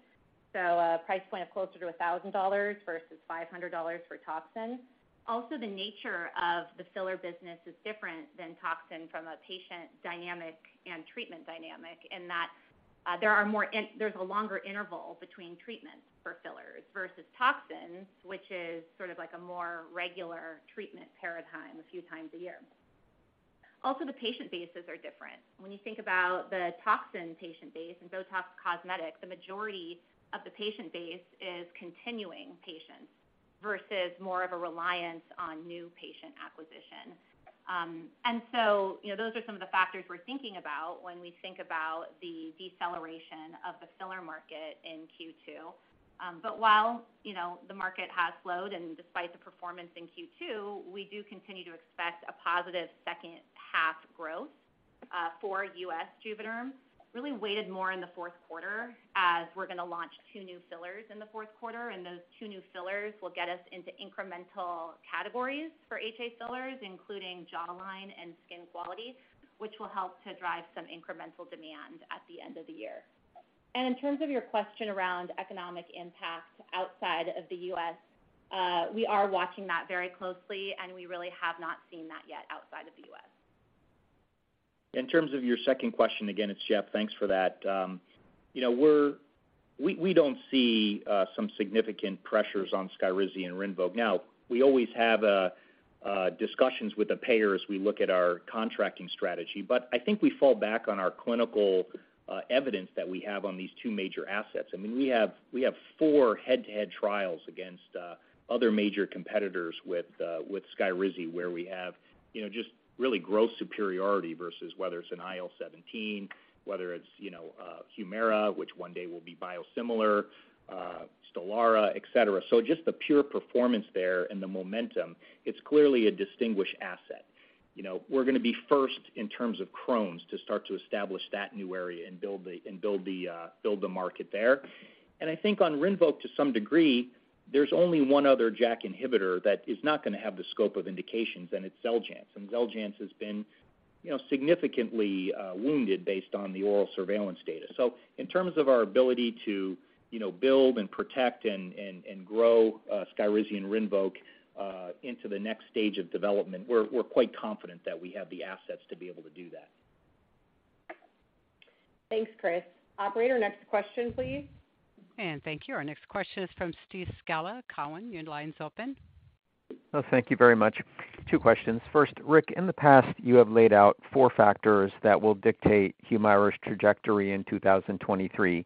A price point of closer to $1,000 versus $500 for toxin. Also, the nature of the filler business is different than toxin from a patient dynamic and treatment dynamic in that, there's a longer interval between treatments for fillers versus toxins, which is sort of like a more regular treatment paradigm a few times a year. Also, the patient bases are different. When you think about the toxin patient base in BOTOX Cosmetic, the majority of the patient base is continuing patients versus more of a reliance on new patient acquisition. You know, those are some of the factors we're thinking about when we think about the deceleration of the filler market in Q2. While, you know, the market has slowed and despite the performance in Q2, we do continue to expect a positive second half growth for U.S. JUVÉDERM really weighted more in the fourth quarter as we're gonna launch two new fillers in the fourth quarter, and those two new fillers will get us into incremental categories for HA fillers, including jawline and skin quality, which will help to drive some incremental demand at the end of the year. In terms of your question around economic impact outside of the U.S., we are watching that very closely, and we really have not seen that yet outside of the U.S. In terms of your second question, again, it's Jeff. Thanks for that. You know, we don't see some significant pressures on SKYRIZI and RINVOQ. We always have discussions with the payers. We look at our contracting strategy. I think we fall back on our clinical evidence that we have on these two major assets. I mean, we have four head-to-head trials against other major competitors with SKYRIZI, where we have, you know, just really clear superiority versus whether it's an IL-17, whether it's, you know, HUMIRA, which one day will be biosimilar, STELARA, et cetera. Just the pure performance there and the momentum, it's clearly a distinguished asset. You know, we're gonna be first in terms of Crohn's to start to establish that new area and build the market there. I think on RINVOQ to some degree, there's only one other JAK inhibitor that is not gonna have the scope of indications, and it's Xeljanz. Xeljanz has been, you know, significantly wounded based on the ORAL Surveillance data. In terms of our ability to, you know, build and protect and grow SKYRIZI and RINVOQ into the next stage of development, we're quite confident that we have the assets to be able to do that. Thanks, Chris. Operator, next question, please. Thank you. Our next question is from Steve Scala. Cowen, your line's open. Oh, thank you very much. Two questions. First, Rick, in the past, you have laid out four factors that will dictate HUMIRA's trajectory in 2023.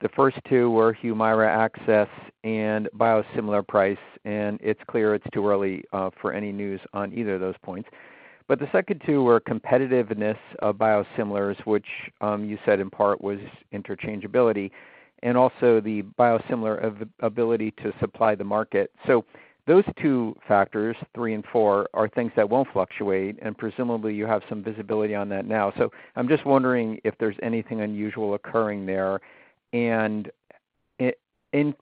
The first two were HUMIRA access and biosimilar price, and it's clear it's too early for any news on either of those points. The second two were competitiveness of biosimilars, which you said in part was interchangeability and also the biosimilar availability to supply the market. Those two factors, three and four, are things that won't fluctuate, and presumably you have some visibility on that now. I'm just wondering if there's anything unusual occurring there. In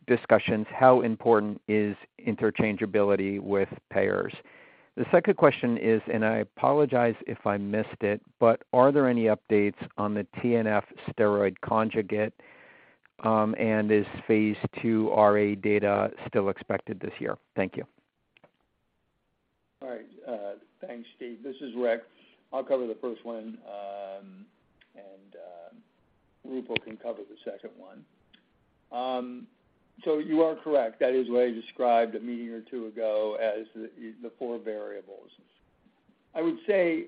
discussions, how important is interchangeability with payers? The second question is, I apologize if I missed it, but are there any updates on the anti-TNF antibody-drug conjugate, and is phase II RA data still expected this year? Thank you. All right, thanks Steve. This is Rick. I'll cover the first one, and Rupal can cover the second one. So you are correct. That is what I described a meeting or two ago as the four variables. I would say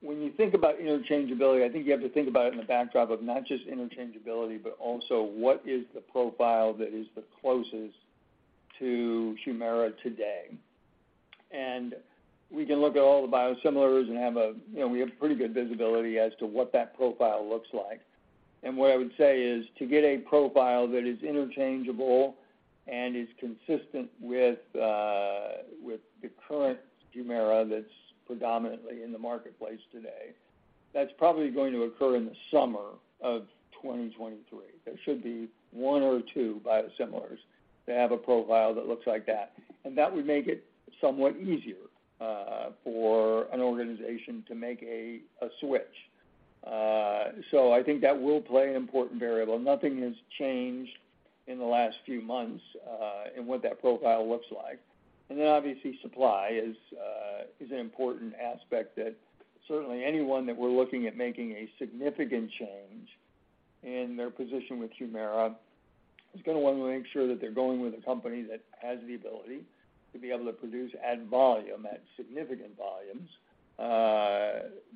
when you think about interchangeability, I think you have to think about it in the backdrop of not just interchangeability, but also what is the profile that is the closest to HUMIRA today. We can look at all the biosimilars and, you know, we have pretty good visibility as to what that profile looks like. What I would say is to get a profile that is interchangeable and is consistent with the current HUMIRA that's predominantly in the marketplace today, that's probably going to occur in the summer of 2023. There should be one or two biosimilars that have a profile that looks like that, and that would make it somewhat easier for an organization to make a switch. I think that will play an important variable. Nothing has changed in the last few months in what that profile looks like. Obviously supply is an important aspect that certainly anyone that we're looking at making a significant change in their position with HUMIRA is gonna wanna make sure that they're going with a company that has the ability to be able to produce, add volume, at significant volumes,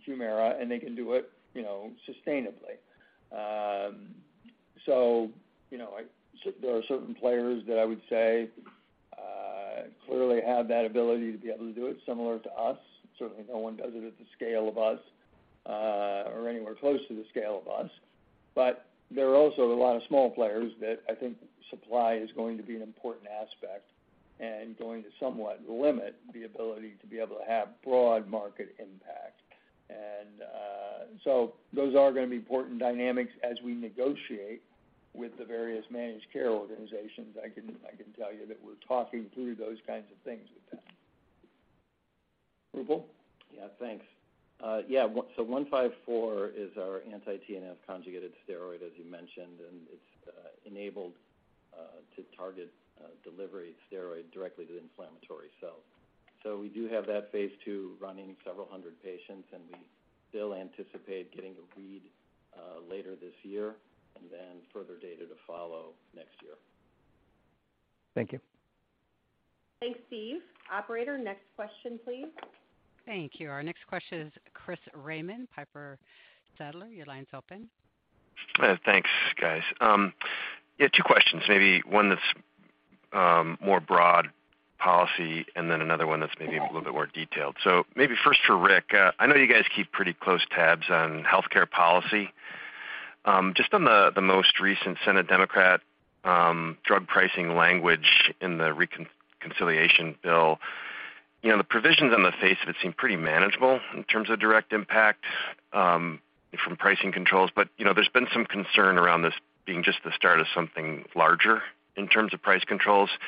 HUMIRA, and they can do it, you know, sustainably. You know, there are certain players that I would say clearly have that ability to be able to do it similar to us. Certainly no one does it at the scale of us, or anywhere close to the scale of us. There are also a lot of small players that I think supply is going to be an important aspect and going to somewhat limit the ability to be able to have broad market impact. Those are gonna be important dynamics as we negotiate with the various managed care organizations. I can tell you that we're talking through those kinds of things with them. Roopal? Yeah, thanks. ABBV-154 is our anti-TNF conjugated steroid, as you mentioned, and it's enabled to target delivery steroid directly to the inflammatory cells. We do have that phase II running several hundred patients, and we still anticipate getting a read later this year and then further data to follow next year. Thank you. Thanks, Steve. Operator, next question, please. Thank you. Our next question is Christopher Raymond, Piper Sandler. Your line's open. Thanks guys. Yeah, two questions. Maybe one that's more broad policy and then another one that's maybe a little bit more detailed. Maybe first for Rick. I know you guys keep pretty close tabs on healthcare policy. Just on the most recent Senate Democrats drug pricing language in the Reconciliation Bill, you know, the provisions on the face of it seem pretty manageable in terms of direct impact from pricing controls. You know, there's been some concern around this being just the start of something larger in terms of price controls. You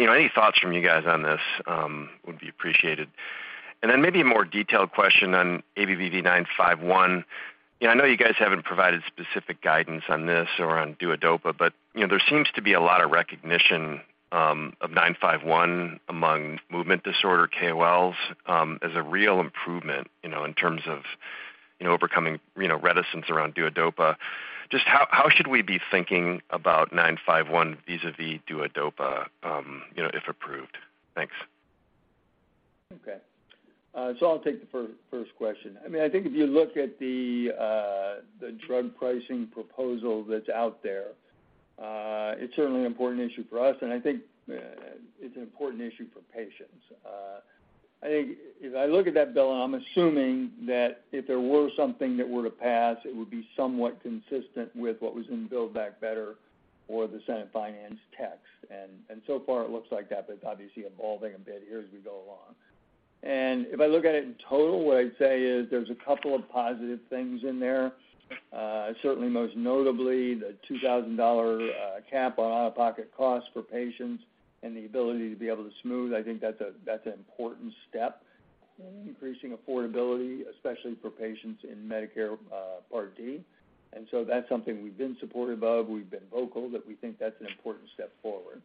know, any thoughts from you guys on this would be appreciated. Then maybe a more detailed question on ABBV-951. You know, I know you guys haven't provided specific guidance on this or on Duodopa, but, you know, there seems to be a lot of recognition of ABBV-951 among movement disorder KOLs as a real improvement, you know, in terms of, you know, overcoming, you know, reticence around Duodopa. Just how should we be thinking about ABBV-951 vis-à-vis Duodopa, you know, if approved? Thanks. Okay, I'll take the first question. I mean, I think if you look at the drug pricing proposal that's out there, it's certainly an important issue for us, and I think it's an important issue for patients. I think if I look at that bill, and I'm assuming that if there were something that were to pass, it would be somewhat consistent with what was in Build Back Better or the Senate finance text. So far it looks like that, but it's obviously evolving a bit here as we go along. If I look at it in total, what I'd say is there's a couple of positive things in there. Certainly most notably the $2,000 cap on out-of-pocket costs for patients and the ability to be able to smooth. I think that's an important step in increasing affordability, especially for patients in Medicare Part D. That's something we've been supportive of. We've been vocal that we think that's an important step forward.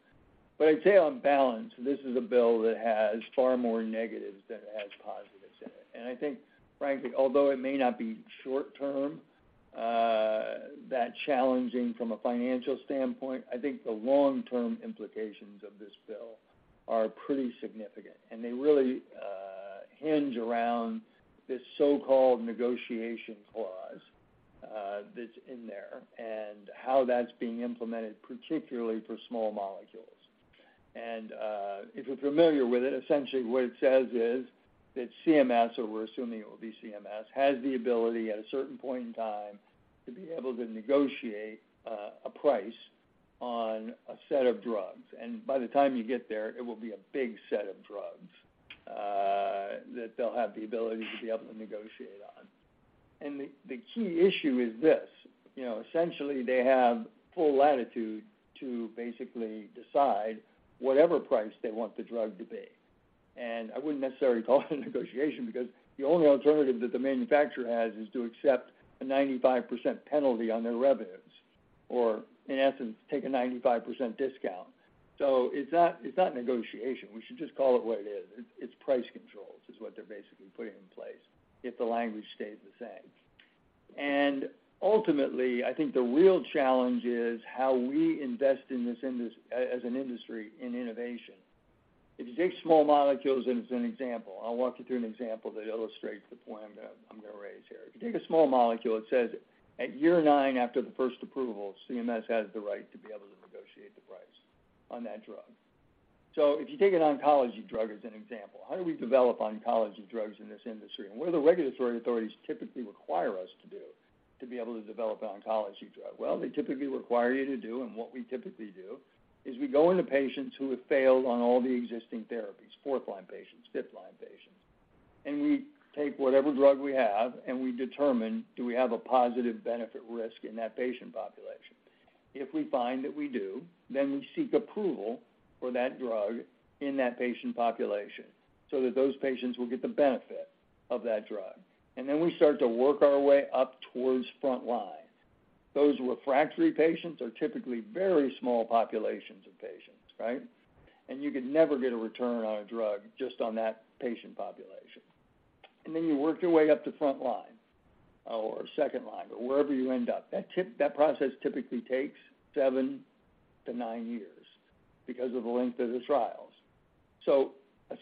I'd say on balance, this is a bill that has far more negatives than it has positives in it. I think frankly, although it may not be short term that challenging from a financial standpoint, I think the long-term implications of this bill are pretty significant. They really hinge around this so-called negotiation clause that's in there and how that's being implemented, particularly for small molecules. If you're familiar with it, essentially what it says is that CMS, or we're assuming it will be CMS, has the ability at a certain point in time to be able to negotiate a price on a set of drugs. By the time you get there, it will be a big set of drugs that they'll have the ability to be able to negotiate on. The key issue is this, you know, essentially they have full latitude to basically decide whatever price they want the drug to be. I wouldn't necessarily call it a negotiation because the only alternative that the manufacturer has is to accept a 95% penalty on their revenues. In essence, take a 95% discount. It's not negotiation. We should just call it what it is. It's price controls, is what they're basically putting in place if the language stays the same. Ultimately, I think the real challenge is how we invest in this as an industry in innovation. If you take small molecules in as an example, I'll walk you through an example that illustrates the point I'm gonna raise here. If you take a small molecule, it says at year nine after the first approval, CMS has the right to be able to negotiate the price on that drug. If you take an oncology drug as an example, how do we develop oncology drugs in this industry? What do the regulatory authorities typically require us to do to be able to develop an oncology drug? Well, they typically require you to do, and what we typically do, is we go into patients who have failed on all the existing therapies, fourth line patients, fifth line patients. We take whatever drug we have, and we determine, do we have a positive benefit risk in that patient population? If we find that we do, then we seek approval for that drug in that patient population so that those patients will get the benefit of that drug. Then we start to work our way up towards front line. Those refractory patients are typically very small populations of patients, right? You could never get a return on a drug just on that patient population. Then you work your way up to front line or second line or wherever you end up. That process typically takes seven-nine years because of the length of the trials.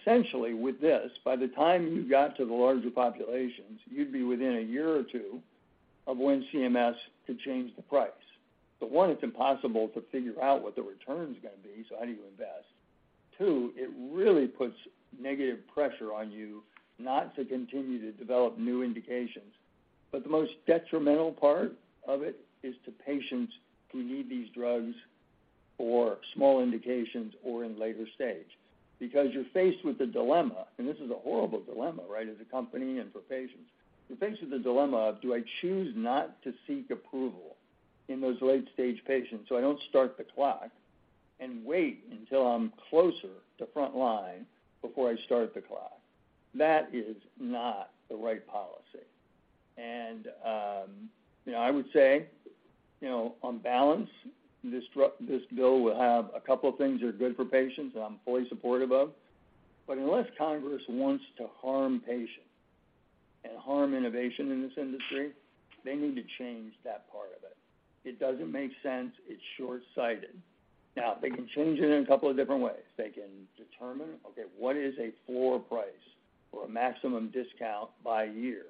Essentially with this, by the time you got to the larger populations, you'd be within a year or two of when CMS could change the price. One, it's impossible to figure out what the return's gonna be, so how do you invest? Two, it really puts negative pressure on you not to continue to develop new indications. The most detrimental part of it is to patients who need these drugs for small indications or in later stage. Because you're faced with the dilemma, and this is a horrible dilemma, right, as a company and for patients. You're faced with the dilemma of, do I choose not to seek approval in those late-stage patients so I don't start the clock and wait until I'm closer to front line before I start the clock? That is not the right policy. You know, I would say, you know, on balance, this bill will have a couple of things that are good for patients that I'm fully supportive of. Unless Congress wants to harm patients and harm innovation in this industry, they need to change that part of it. It doesn't make sense. It's short-sighted. Now, they can change it in a couple of different ways. They can determine, okay, what is a floor price or a maximum discount by year,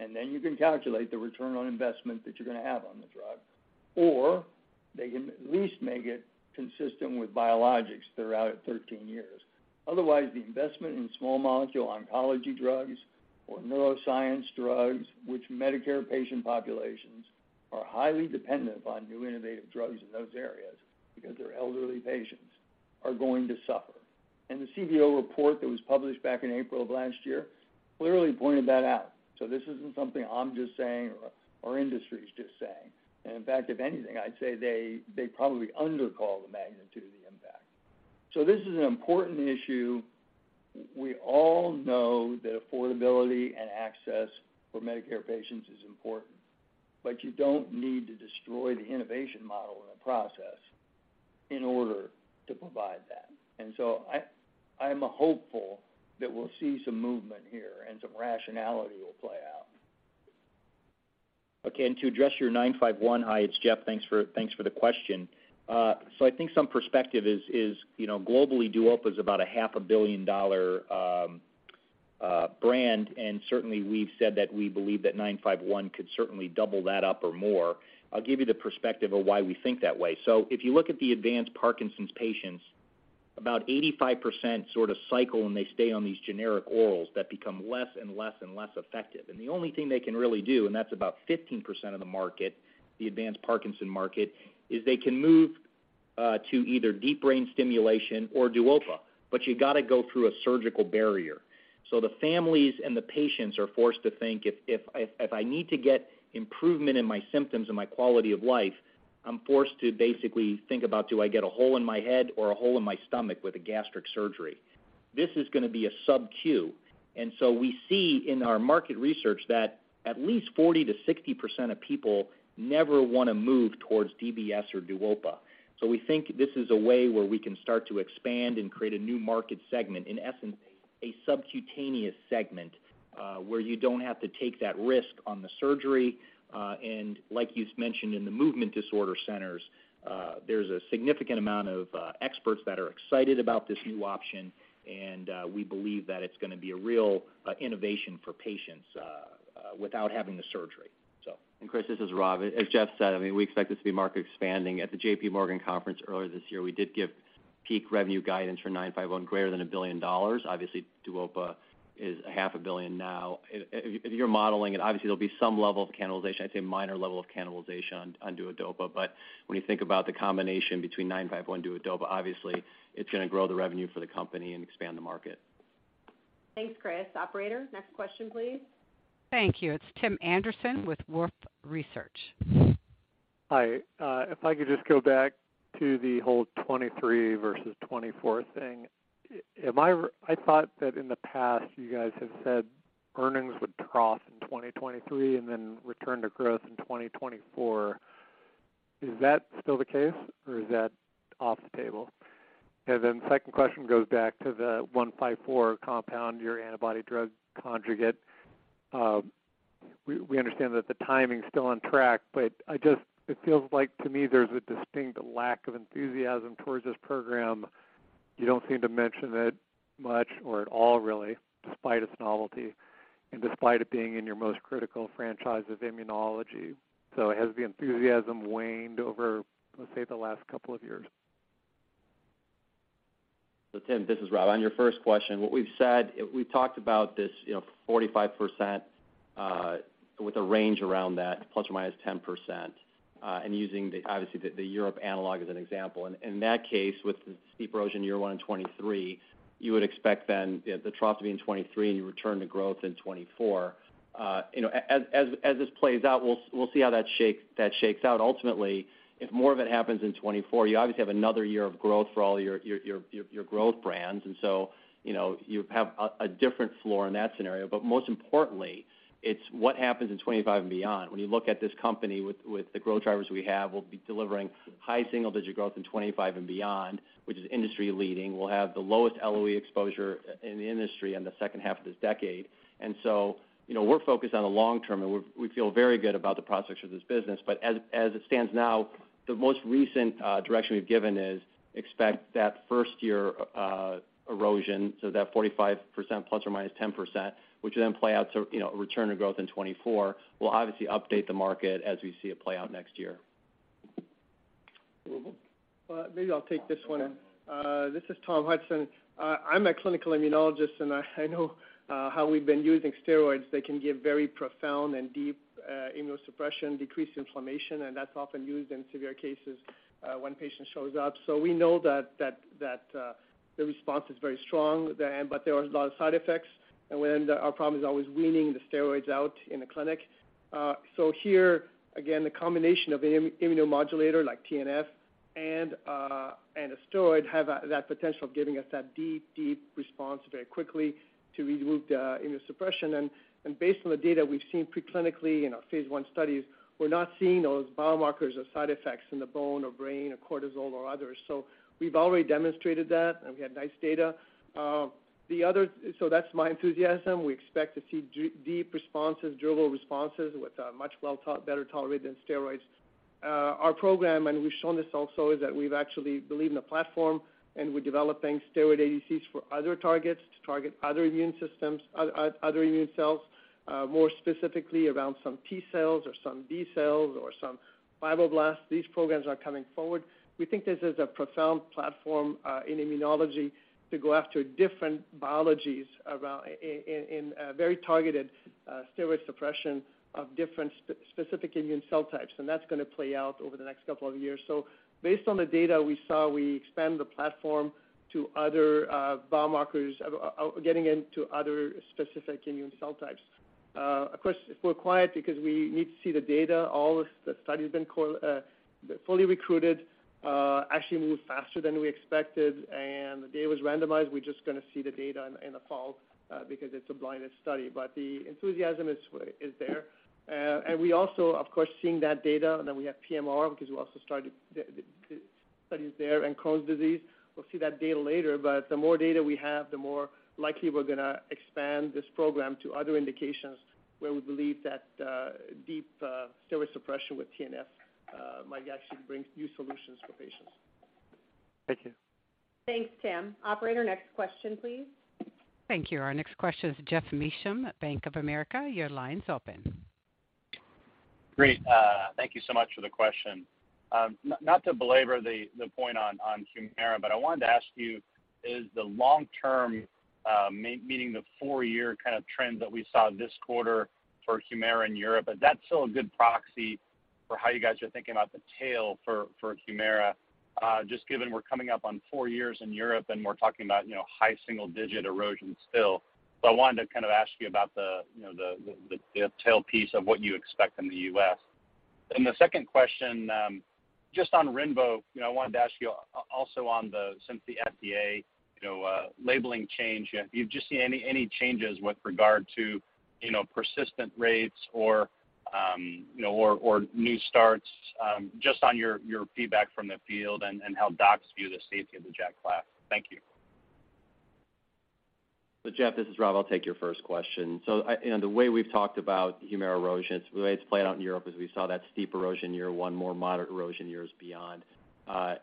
and then you can calculate the return on investment that you're gonna have on the drug. They can at least make it consistent with biologics throughout at 13 years. Otherwise, the investment in small molecule oncology drugs or neuroscience drugs, which Medicare patient populations are highly dependent upon new innovative drugs in those areas because they're elderly patients, are going to suffer. The CBO report that was published back in April of last year clearly pointed that out. This isn't something I'm just saying or our industry is just saying. In fact, if anything, I'd say they probably undercall the magnitude of the impact. This is an important issue. We all know that affordability and access for Medicare patients is important, but you don't need to destroy the innovation model in the process in order to provide that. I'm hopeful that we'll see some movement here and some rationality will play out. Okay, to address your ABBV-951, hi, it's Jeff. Thanks for the question. I think some perspective is, you know, globally DUOPA is about a half a billion dollar brand, and certainly, we've said that we believe that ABBV-951 could certainly double that up or more. I'll give you the perspective of why we think that way. If you look at the advanced Parkinson's patients, about 85% sort of cycle, and they stay on these generic orals that become less and less effective. The only thing they can really do, and that's about 15% of the market, the advanced Parkinson market, is they can move to either deep brain stimulation or DUOPA, but you gotta go through a surgical barrier. The families and the patients are forced to think if I need to get improvement in my symptoms and my quality of life, I'm forced to basically think about, do I get a hole in my head or a hole in my stomach with a gastric surgery? This is gonna be a SubQ. We see in our market research that at least 40%-60% of people never wanna move towards DBS or DUOPA. We think this is a way where we can start to expand and create a new market segment, in essence, a subcutaneous segment, where you don't have to take that risk on the surgery. Like you just mentioned in the movement disorder centers, there's a significant amount of experts that are excited about this new option, and we believe that it's gonna be a real innovation for patients without having the surgery. Chris, this is Rob. As Jeff said, I mean, we expect this to be market expanding. At the JPMorgan conference earlier this year, we did give peak revenue guidance for nine five one greater than $1 billion. Obviously, DUOPA is a half a billion dollars now. If you're modeling it, obviously there'll be some level of cannibalization. I'd say a minor level of cannibalization on Duodopa. When you think about the combination between nine five one Duodopa, obviously it's gonna grow the revenue for the company and expand the market. Thanks, Chris. Operator, next question, please. Thank you. It's Tim Anderson with Wolfe Research. Hi. If I could just go back to the whole '23 versus '24 thing. Am I right? I thought that in the past, you guys have said earnings would trough in 2023 and then return to growth in 2024. Is that still the case or is that off the table? Second question goes back to the 154 compound, your antibody drug conjugate. We understand that the timing's still on track, but it feels like to me there's a distinct lack of enthusiasm towards this program. You don't seem to mention it much or at all really despite its novelty and despite it being in your most critical franchise of immunology. Has the enthusiasm waned over, let's say, the last couple of years? Tim, this is Rob. On your first question, what we've said, we've talked about this, you know, 45% with a range around that ±10%, and using the, obviously, the European analog as an example. In that case, with the steep erosion year one in 2023, you would expect then the trough to be in 2023 and you return to growth in 2024. You know, as this plays out, we'll see how that shakes out. Ultimately, if more of it happens in 2024, you obviously have another year of growth for all your growth brands. You know, you have a different floor in that scenario. Most importantly, it's what happens in 2025 and beyond. When you look at this company with the growth drivers we have, we'll be delivering high single-digit growth in 2025 and beyond, which is industry-leading. We'll have the lowest LOE exposure in the industry in the second half of this decade. You know, we're focused on the long term, and we feel very good about the prospects of this business. As it stands now, the most recent direction we've given is expect that first-year erosion, so that 45% ± 10%, which then play out to, you know, return to growth in 2024. We'll obviously update the market as we see it play out next year. Uwe? Maybe I'll take this one. This is Thomas Hudson. I'm a clinical immunologist, and I know how we've been using steroids. They can give very profound and deep immunosuppression, decreased inflammation, and that's often used in severe cases when patient shows up. We know that the response is very strong, but there are a lot of side effects. When our problem is always weaning the steroids out in the clinic. Here, again, the combination of immunomodulator like TNF and a steroid have that potential of giving us that deep response very quickly to remove the immunosuppression. Based on the data we've seen pre-clinically in our phase I studies, we're not seeing those biomarkers or side effects in the bone or brain or cortisol or others. We've already demonstrated that, and we had nice data. That's my enthusiasm. We expect to see deep responses, durable responses with better tolerated than steroids. Our program, and we've shown this also, is that we've actually believed in a platform, and we're developing steroid ADCs for other targets to target other immune systems, other immune cells, more specifically around some T cells or some B cells or some fibroblasts. These programs are coming forward. We think this is a profound platform in immunology to go after different biologies around in a very targeted steroid suppression of different specific immune cell types, and that's gonna play out over the next couple of years. Based on the data we saw, we expand the platform to other biomarkers of getting into other specific immune cell types. Of course, if we're quiet because we need to see the data, all the studies been fully recruited, actually moved faster than we expected, and the data was randomized. We're just gonna see the data in the fall, because it's a blinded study. The enthusiasm is there. We also, of course, seeing that data, and then we have PMR because we also started the studies there in Crohn's disease. We'll see that data later, but the more data we have, the more likely we're gonna expand this program to other indications where we believe that deep steroid suppression with TNF might actually bring new solutions for patients. Thank you. Thanks, Tim. Operator, next question, please. Thank you. Our next question is Geoff Meacham at Bank of America. Your line's open. Great. Thank you so much for the question. Not to belabor the point on HUMIRA, but I wanted to ask you, is the long-term, meaning the 4-year kind of trend that we saw this quarter for HUMIRA in Europe, is that still a good proxy for how you guys are thinking about the tail for HUMIRA? Just given we're coming up on 4 years in Europe and we're talking about, you know, high single-digit erosion still. I wanted to kind of ask you about, you know, the tail of what you expect in the US. The second question, just on RINVOQ, you know, I wanted to ask you since the FDA, you know, labeling change, if you've just seen any changes with regard to, you know, persistence rates or, you know, or new starts, just on your feedback from the field and how docs view the safety of the JAK class. Thank you. Jeff, this is Rob. I'll take your first question. I, you know, the way we've talked about HUMIRA erosion, the way it's played out in Europe is we saw that steep erosion year one, more moderate erosion years beyond.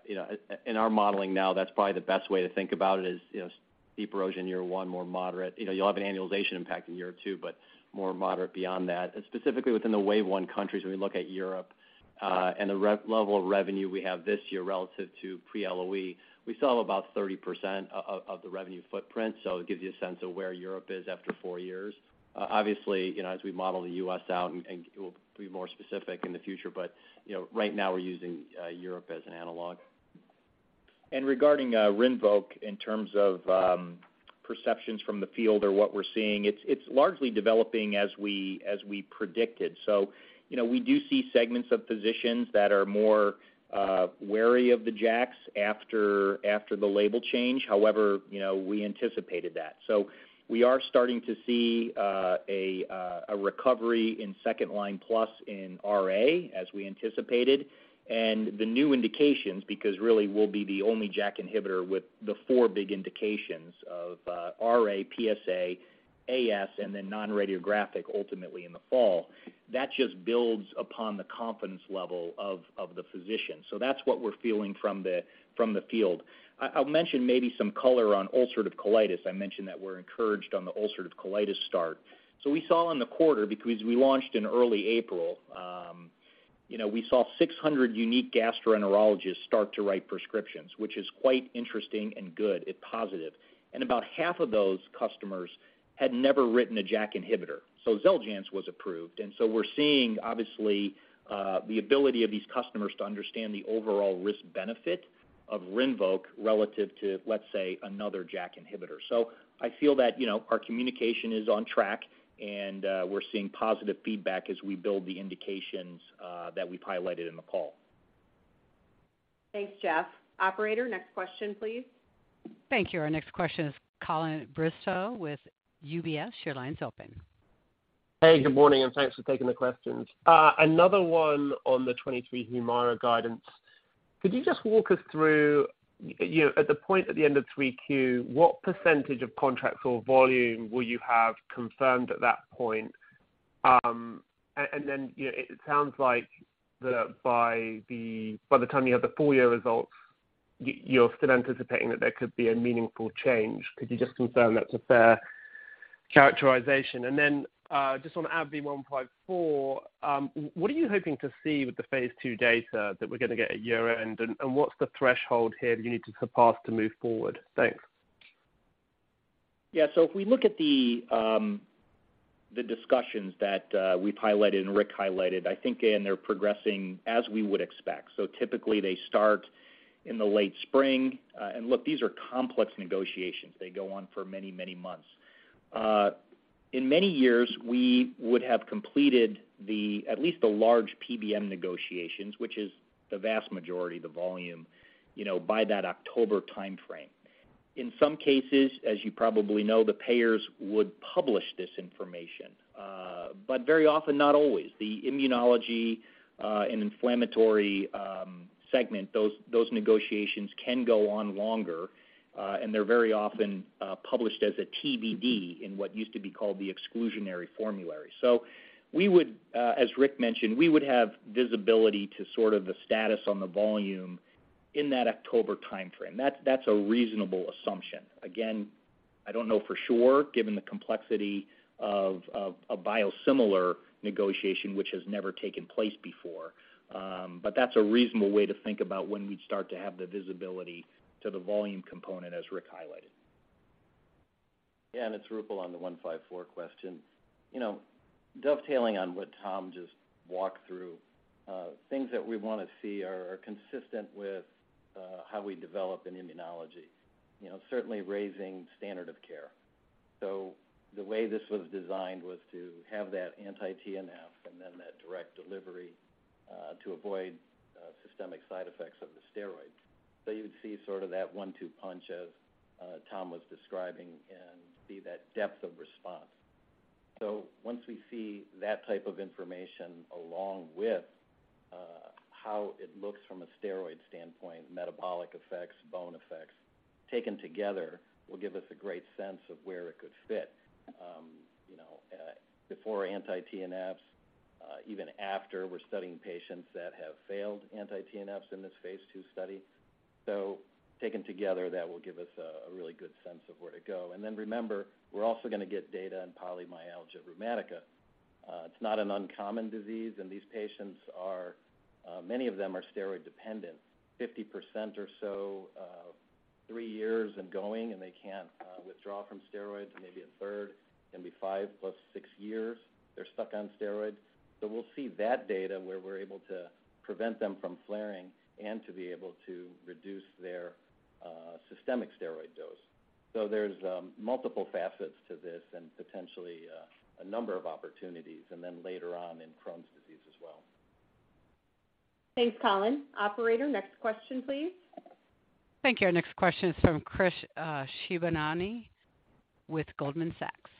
You know, in our modeling now, that's probably the best way to think about it is, you know, steep erosion year one, more moderate. You know, you'll have an annualization impact in year two, but more moderate beyond that. Specifically within the wave one countries, when we look at Europe, and the revenue level we have this year relative to pre-LOE, we still have about 30% of the revenue footprint. It gives you a sense of where Europe is after four years. Obviously, you know, as we model the U.S. out, and we'll be more specific in the future, but you know, right now we're using Europe as an analog. Regarding RINVOQ in terms of perceptions from the field or what we're seeing, it's largely developing as we predicted. You know, we do see segments of physicians that are more wary of the JAKs after the label change. However, you know, we anticipated that. We are starting to see a recovery in second line plus in RA, as we anticipated. The new indications, because really we'll be the only JAK inhibitor with the four big indications of RA, PsA, AS, and then non-radiographic ultimately in the fall, that just builds upon the confidence level of the physician. That's what we're feeling from the field. I'll mention maybe some color on ulcerative colitis. I mentioned that we're encouraged on the ulcerative colitis start. We saw in the quarter, because we launched in early April, you know, we saw 600 unique gastroenterologists start to write prescriptions, which is quite interesting and good and positive. About half of those customers had never written a JAK inhibitor. Xeljanz was approved. We're seeing obviously the ability of these customers to understand the overall risk-benefit of RINVOQ relative to, let's say, another JAK inhibitor. I feel that, you know, our communication is on track, and we're seeing positive feedback as we build the indications that we've highlighted in the call. Thanks, Jeff. Operator, next question, please. Thank you. Our next question is Colin Bristow with UBS. Your line is open. Hey, good morning, and thanks for taking the questions. Another one on the 2023 HUMIRA guidance. Could you just walk us through, you know, at the point at the end of Q3, what percentage of contracts or volume will you have confirmed at that point? And then, you know, it sounds like that by the time you have the full year results, you're still anticipating that there could be a meaningful change. Could you just confirm that's a fair characterization? Just on ABBV-154, what are you hoping to see with the phase II data that we're gonna get at year-end? And what's the threshold here that you need to surpass to move forward? Thanks. Yeah. If we look at the discussions that we've highlighted and Rick highlighted, I think, and they're progressing as we would expect. Typically they start in the late spring. Look, these are complex negotiations. They go on for many, many months. In many years, we would have completed at least the large PBM negotiations, which is the vast majority of the volume, you know, by that October timeframe. In some cases, as you probably know, the payers would publish this information, but very often not always. The immunology and inflammatory segment, those negotiations can go on longer, and they're very often published as a TBD in what used to be called the exclusionary formulary. We would, as Rick mentioned, we would have visibility to sort of the status on the volume in that October timeframe. That's a reasonable assumption. Again, I don't know for sure, given the complexity of a biosimilar negotiation, which has never taken place before. That's a reasonable way to think about when we'd start to have the visibility to the volume component, as Rick highlighted. Yeah, it's Roopal on the ABBV-154 question. You know, dovetailing on what Tom just walked through, things that we wanna see are consistent with how we develop in immunology. You know, certainly raising standard of care. The way this was designed was to have that anti-TNF and then that direct delivery to avoid systemic side effects of the steroids. You would see sort of that one-two punch as Tom was describing and see that depth of response. Once we see that type of information along with how it looks from a steroid standpoint, metabolic effects, bone effects, taken together, will give us a great sense of where it could fit. You know, before anti-TNFs, even after, we're studying patients that have failed anti-TNFs in this phase II study. Taken together, that will give us a really good sense of where to go. Remember, we're also gonna get data on polymyalgia rheumatica. It's not an uncommon disease, and these patients, many of them, are steroid dependent, 50% or so, three years and going, and they can't withdraw from steroids. Maybe a third can be five-six years, they're stuck on steroids. We'll see that data where we're able to prevent them from flaring and to be able to reduce their systemic steroid dose. There's multiple facets to this and potentially a number of opportunities, later on in Crohn's disease as well. Thanks, Colin. Operator, next question, please. Thank you. Our next question is from Chris Shibutani with Goldman Sachs.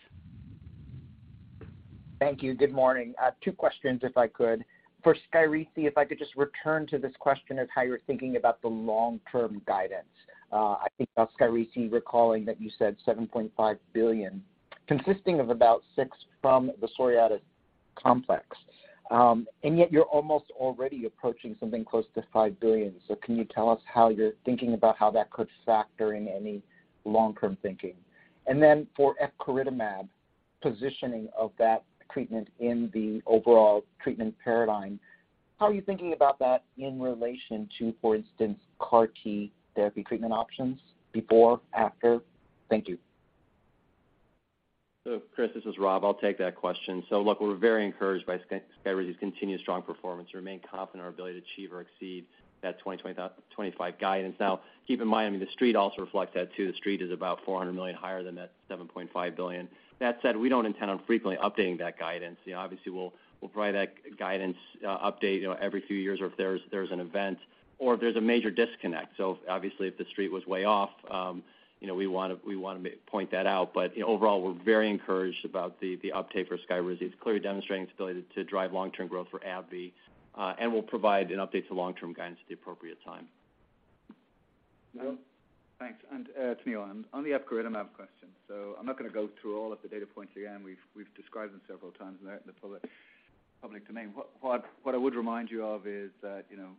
Thank you. Good morning. Two questions if I could. For SKYRIZI, if I could just return to this question of how you're thinking about the long-term guidance. I think of SKYRIZI, recalling that you said $7.5 billion, consisting of about $6 billion from the psoriatic complex. Yet you're almost already approaching something close to $5 billion. Can you tell us how you're thinking about how that could factor in any long-term thinking? For epcoritamab, positioning of that treatment in the overall treatment paradigm, how are you thinking about that in relation to, for instance, CAR-T therapy treatment options before, after? Thank you. Chris, this is Rob, I'll take that question. Look, we're very encouraged by SKYRIZI's continued strong performance. We remain confident in our ability to achieve or exceed that 2025 guidance. Now, keep in mind, I mean, the street also reflects that too. The street is about $400 million higher than that $7.5 billion. That said, we don't intend on frequently updating that guidance. You know, obviously, we'll provide that guidance update, you know, every few years or if there's an event or if there's a major disconnect. Obviously, if the street was way off, you know, we want to point that out. Overall, we're very encouraged about the uptake for SKYRIZI. It's clearly demonstrating its ability to drive long-term growth for AbbVie, and we'll provide an update to long-term guidance at the appropriate time. Neil? It's Neil. On the epcoritamab question. I'm not gonna go through all of the data points again. We've described them several times, and they're in the public domain. What I would remind you of is that, you know,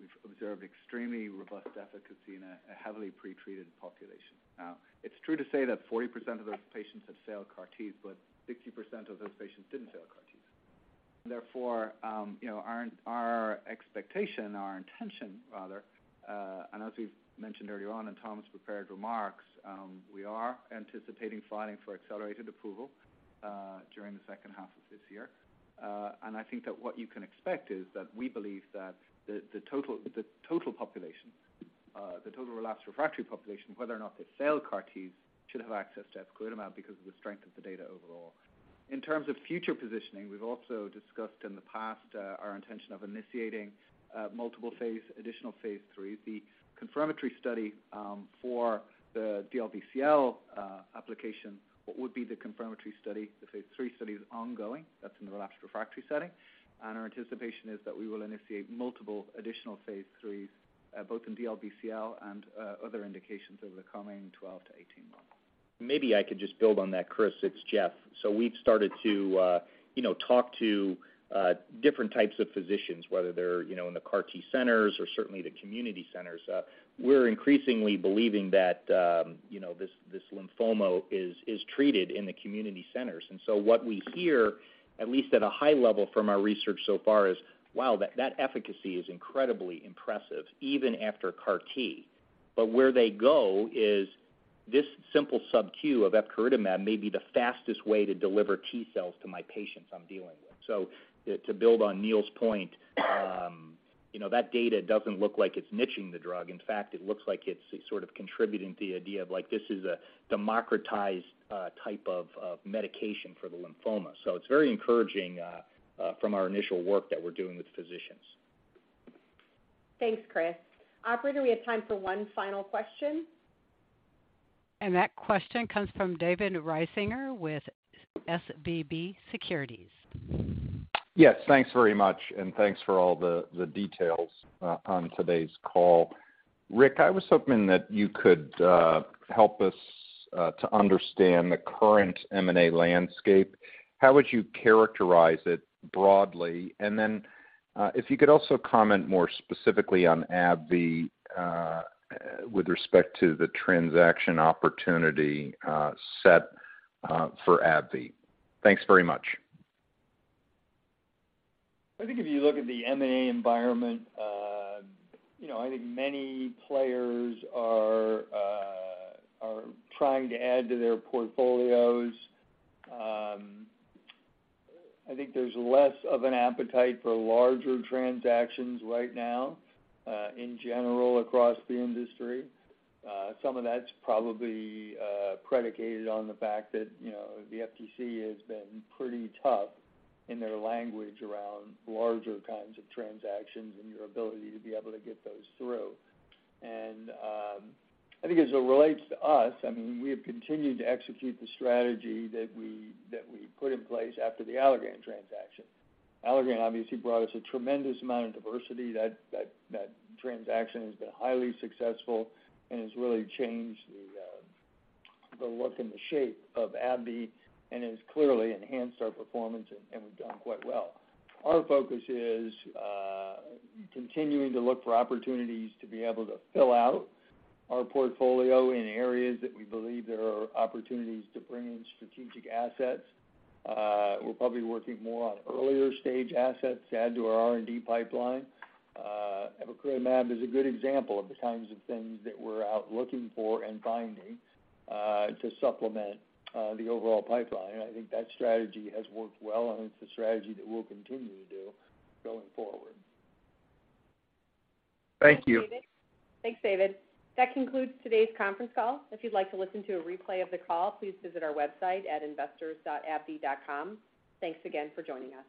we've observed extremely robust efficacy in a heavily pretreated population. Now, it's true to say that 40% of those patients have failed CAR-Ts, but 60% of those patients didn't fail CAR-Ts. Therefore, you know, our expectation, our intention rather, and as we've mentioned earlier on in Tom's prepared remarks, we are anticipating filing for accelerated approval, during the second half of this year. I think that what you can expect is that we believe that the total population, the total relapsed refractory population, whether or not they failed CAR-Ts, should have access to epcoritamab because of the strength of the data overall. In terms of future positioning, we've also discussed in the past our intention of initiating multiple phase additional phase IIIs. The confirmatory study for the DLBCL application, what would be the confirmatory study, the phase III study is ongoing. That's in the relapsed refractory setting. Our anticipation is that we will initiate multiple additional phase IIIs both in DLBCL and other indications over the coming 12-18 months. Maybe I could just build on that, Chris. It's Jeff. We've started to, you know, talk to different types of physicians, whether they're, you know, in the CAR-T centers or certainly the community centers. We're increasingly believing that, you know, this lymphoma is treated in the community centers. What we hear, at least at a high level from our research so far, is, wow, that efficacy is incredibly impressive, even after CAR-T. Where they go is this simple SubQ of epcoritamab may be the fastest way to deliver T-cells to my patients I'm dealing with. To build on Neil's point, you know, that data doesn't look like it's niching the drug. In fact, it looks like it's sort of contributing to the idea of like this is a democratized, type of medication for the lymphoma. It's very encouraging from our initial work that we're doing with physicians. Thanks, Chris. Operator, we have time for one final question. That question comes from David Risinger with SVB Securities. Yes, thanks very much, and thanks for all the details on today's call. Rick, I was hoping that you could help us to understand the current M&A landscape. How would you characterize it broadly? If you could also comment more specifically on AbbVie with respect to the transaction opportunity set for AbbVie. Thanks very much. I think if you look at the M&A environment, you know, I think many players are trying to add to their portfolios. I think there's less of an appetite for larger transactions right now, in general across the industry. Some of that's probably predicated on the fact that, you know, the FTC has been pretty tough in their language around larger kinds of transactions and your ability to be able to get those through. I think as it relates to us, I mean, we have continued to execute the strategy that we put in place after the Allergan transaction. Allergan obviously brought us a tremendous amount of diversity. That transaction has been highly successful and has really changed the look and the shape of AbbVie and has clearly enhanced our performance, and we've done quite well. Our focus is continuing to look for opportunities to be able to fill out our portfolio in areas that we believe there are opportunities to bring in strategic assets. We're probably working more on earlier stage assets to add to our R&D pipeline. Epcoritamab is a good example of the kinds of things that we're out looking for and finding to supplement the overall pipeline. I think that strategy has worked well, and it's a strategy that we'll continue to do going forward. Thank you. Thanks, David. That concludes today's conference call. If you'd like to listen to a replay of the call, please visit our website at investors.abbvie.com. Thanks again for joining us.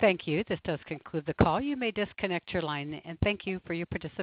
Thank you. This does conclude the call. You may disconnect your line, and thank you for your participation.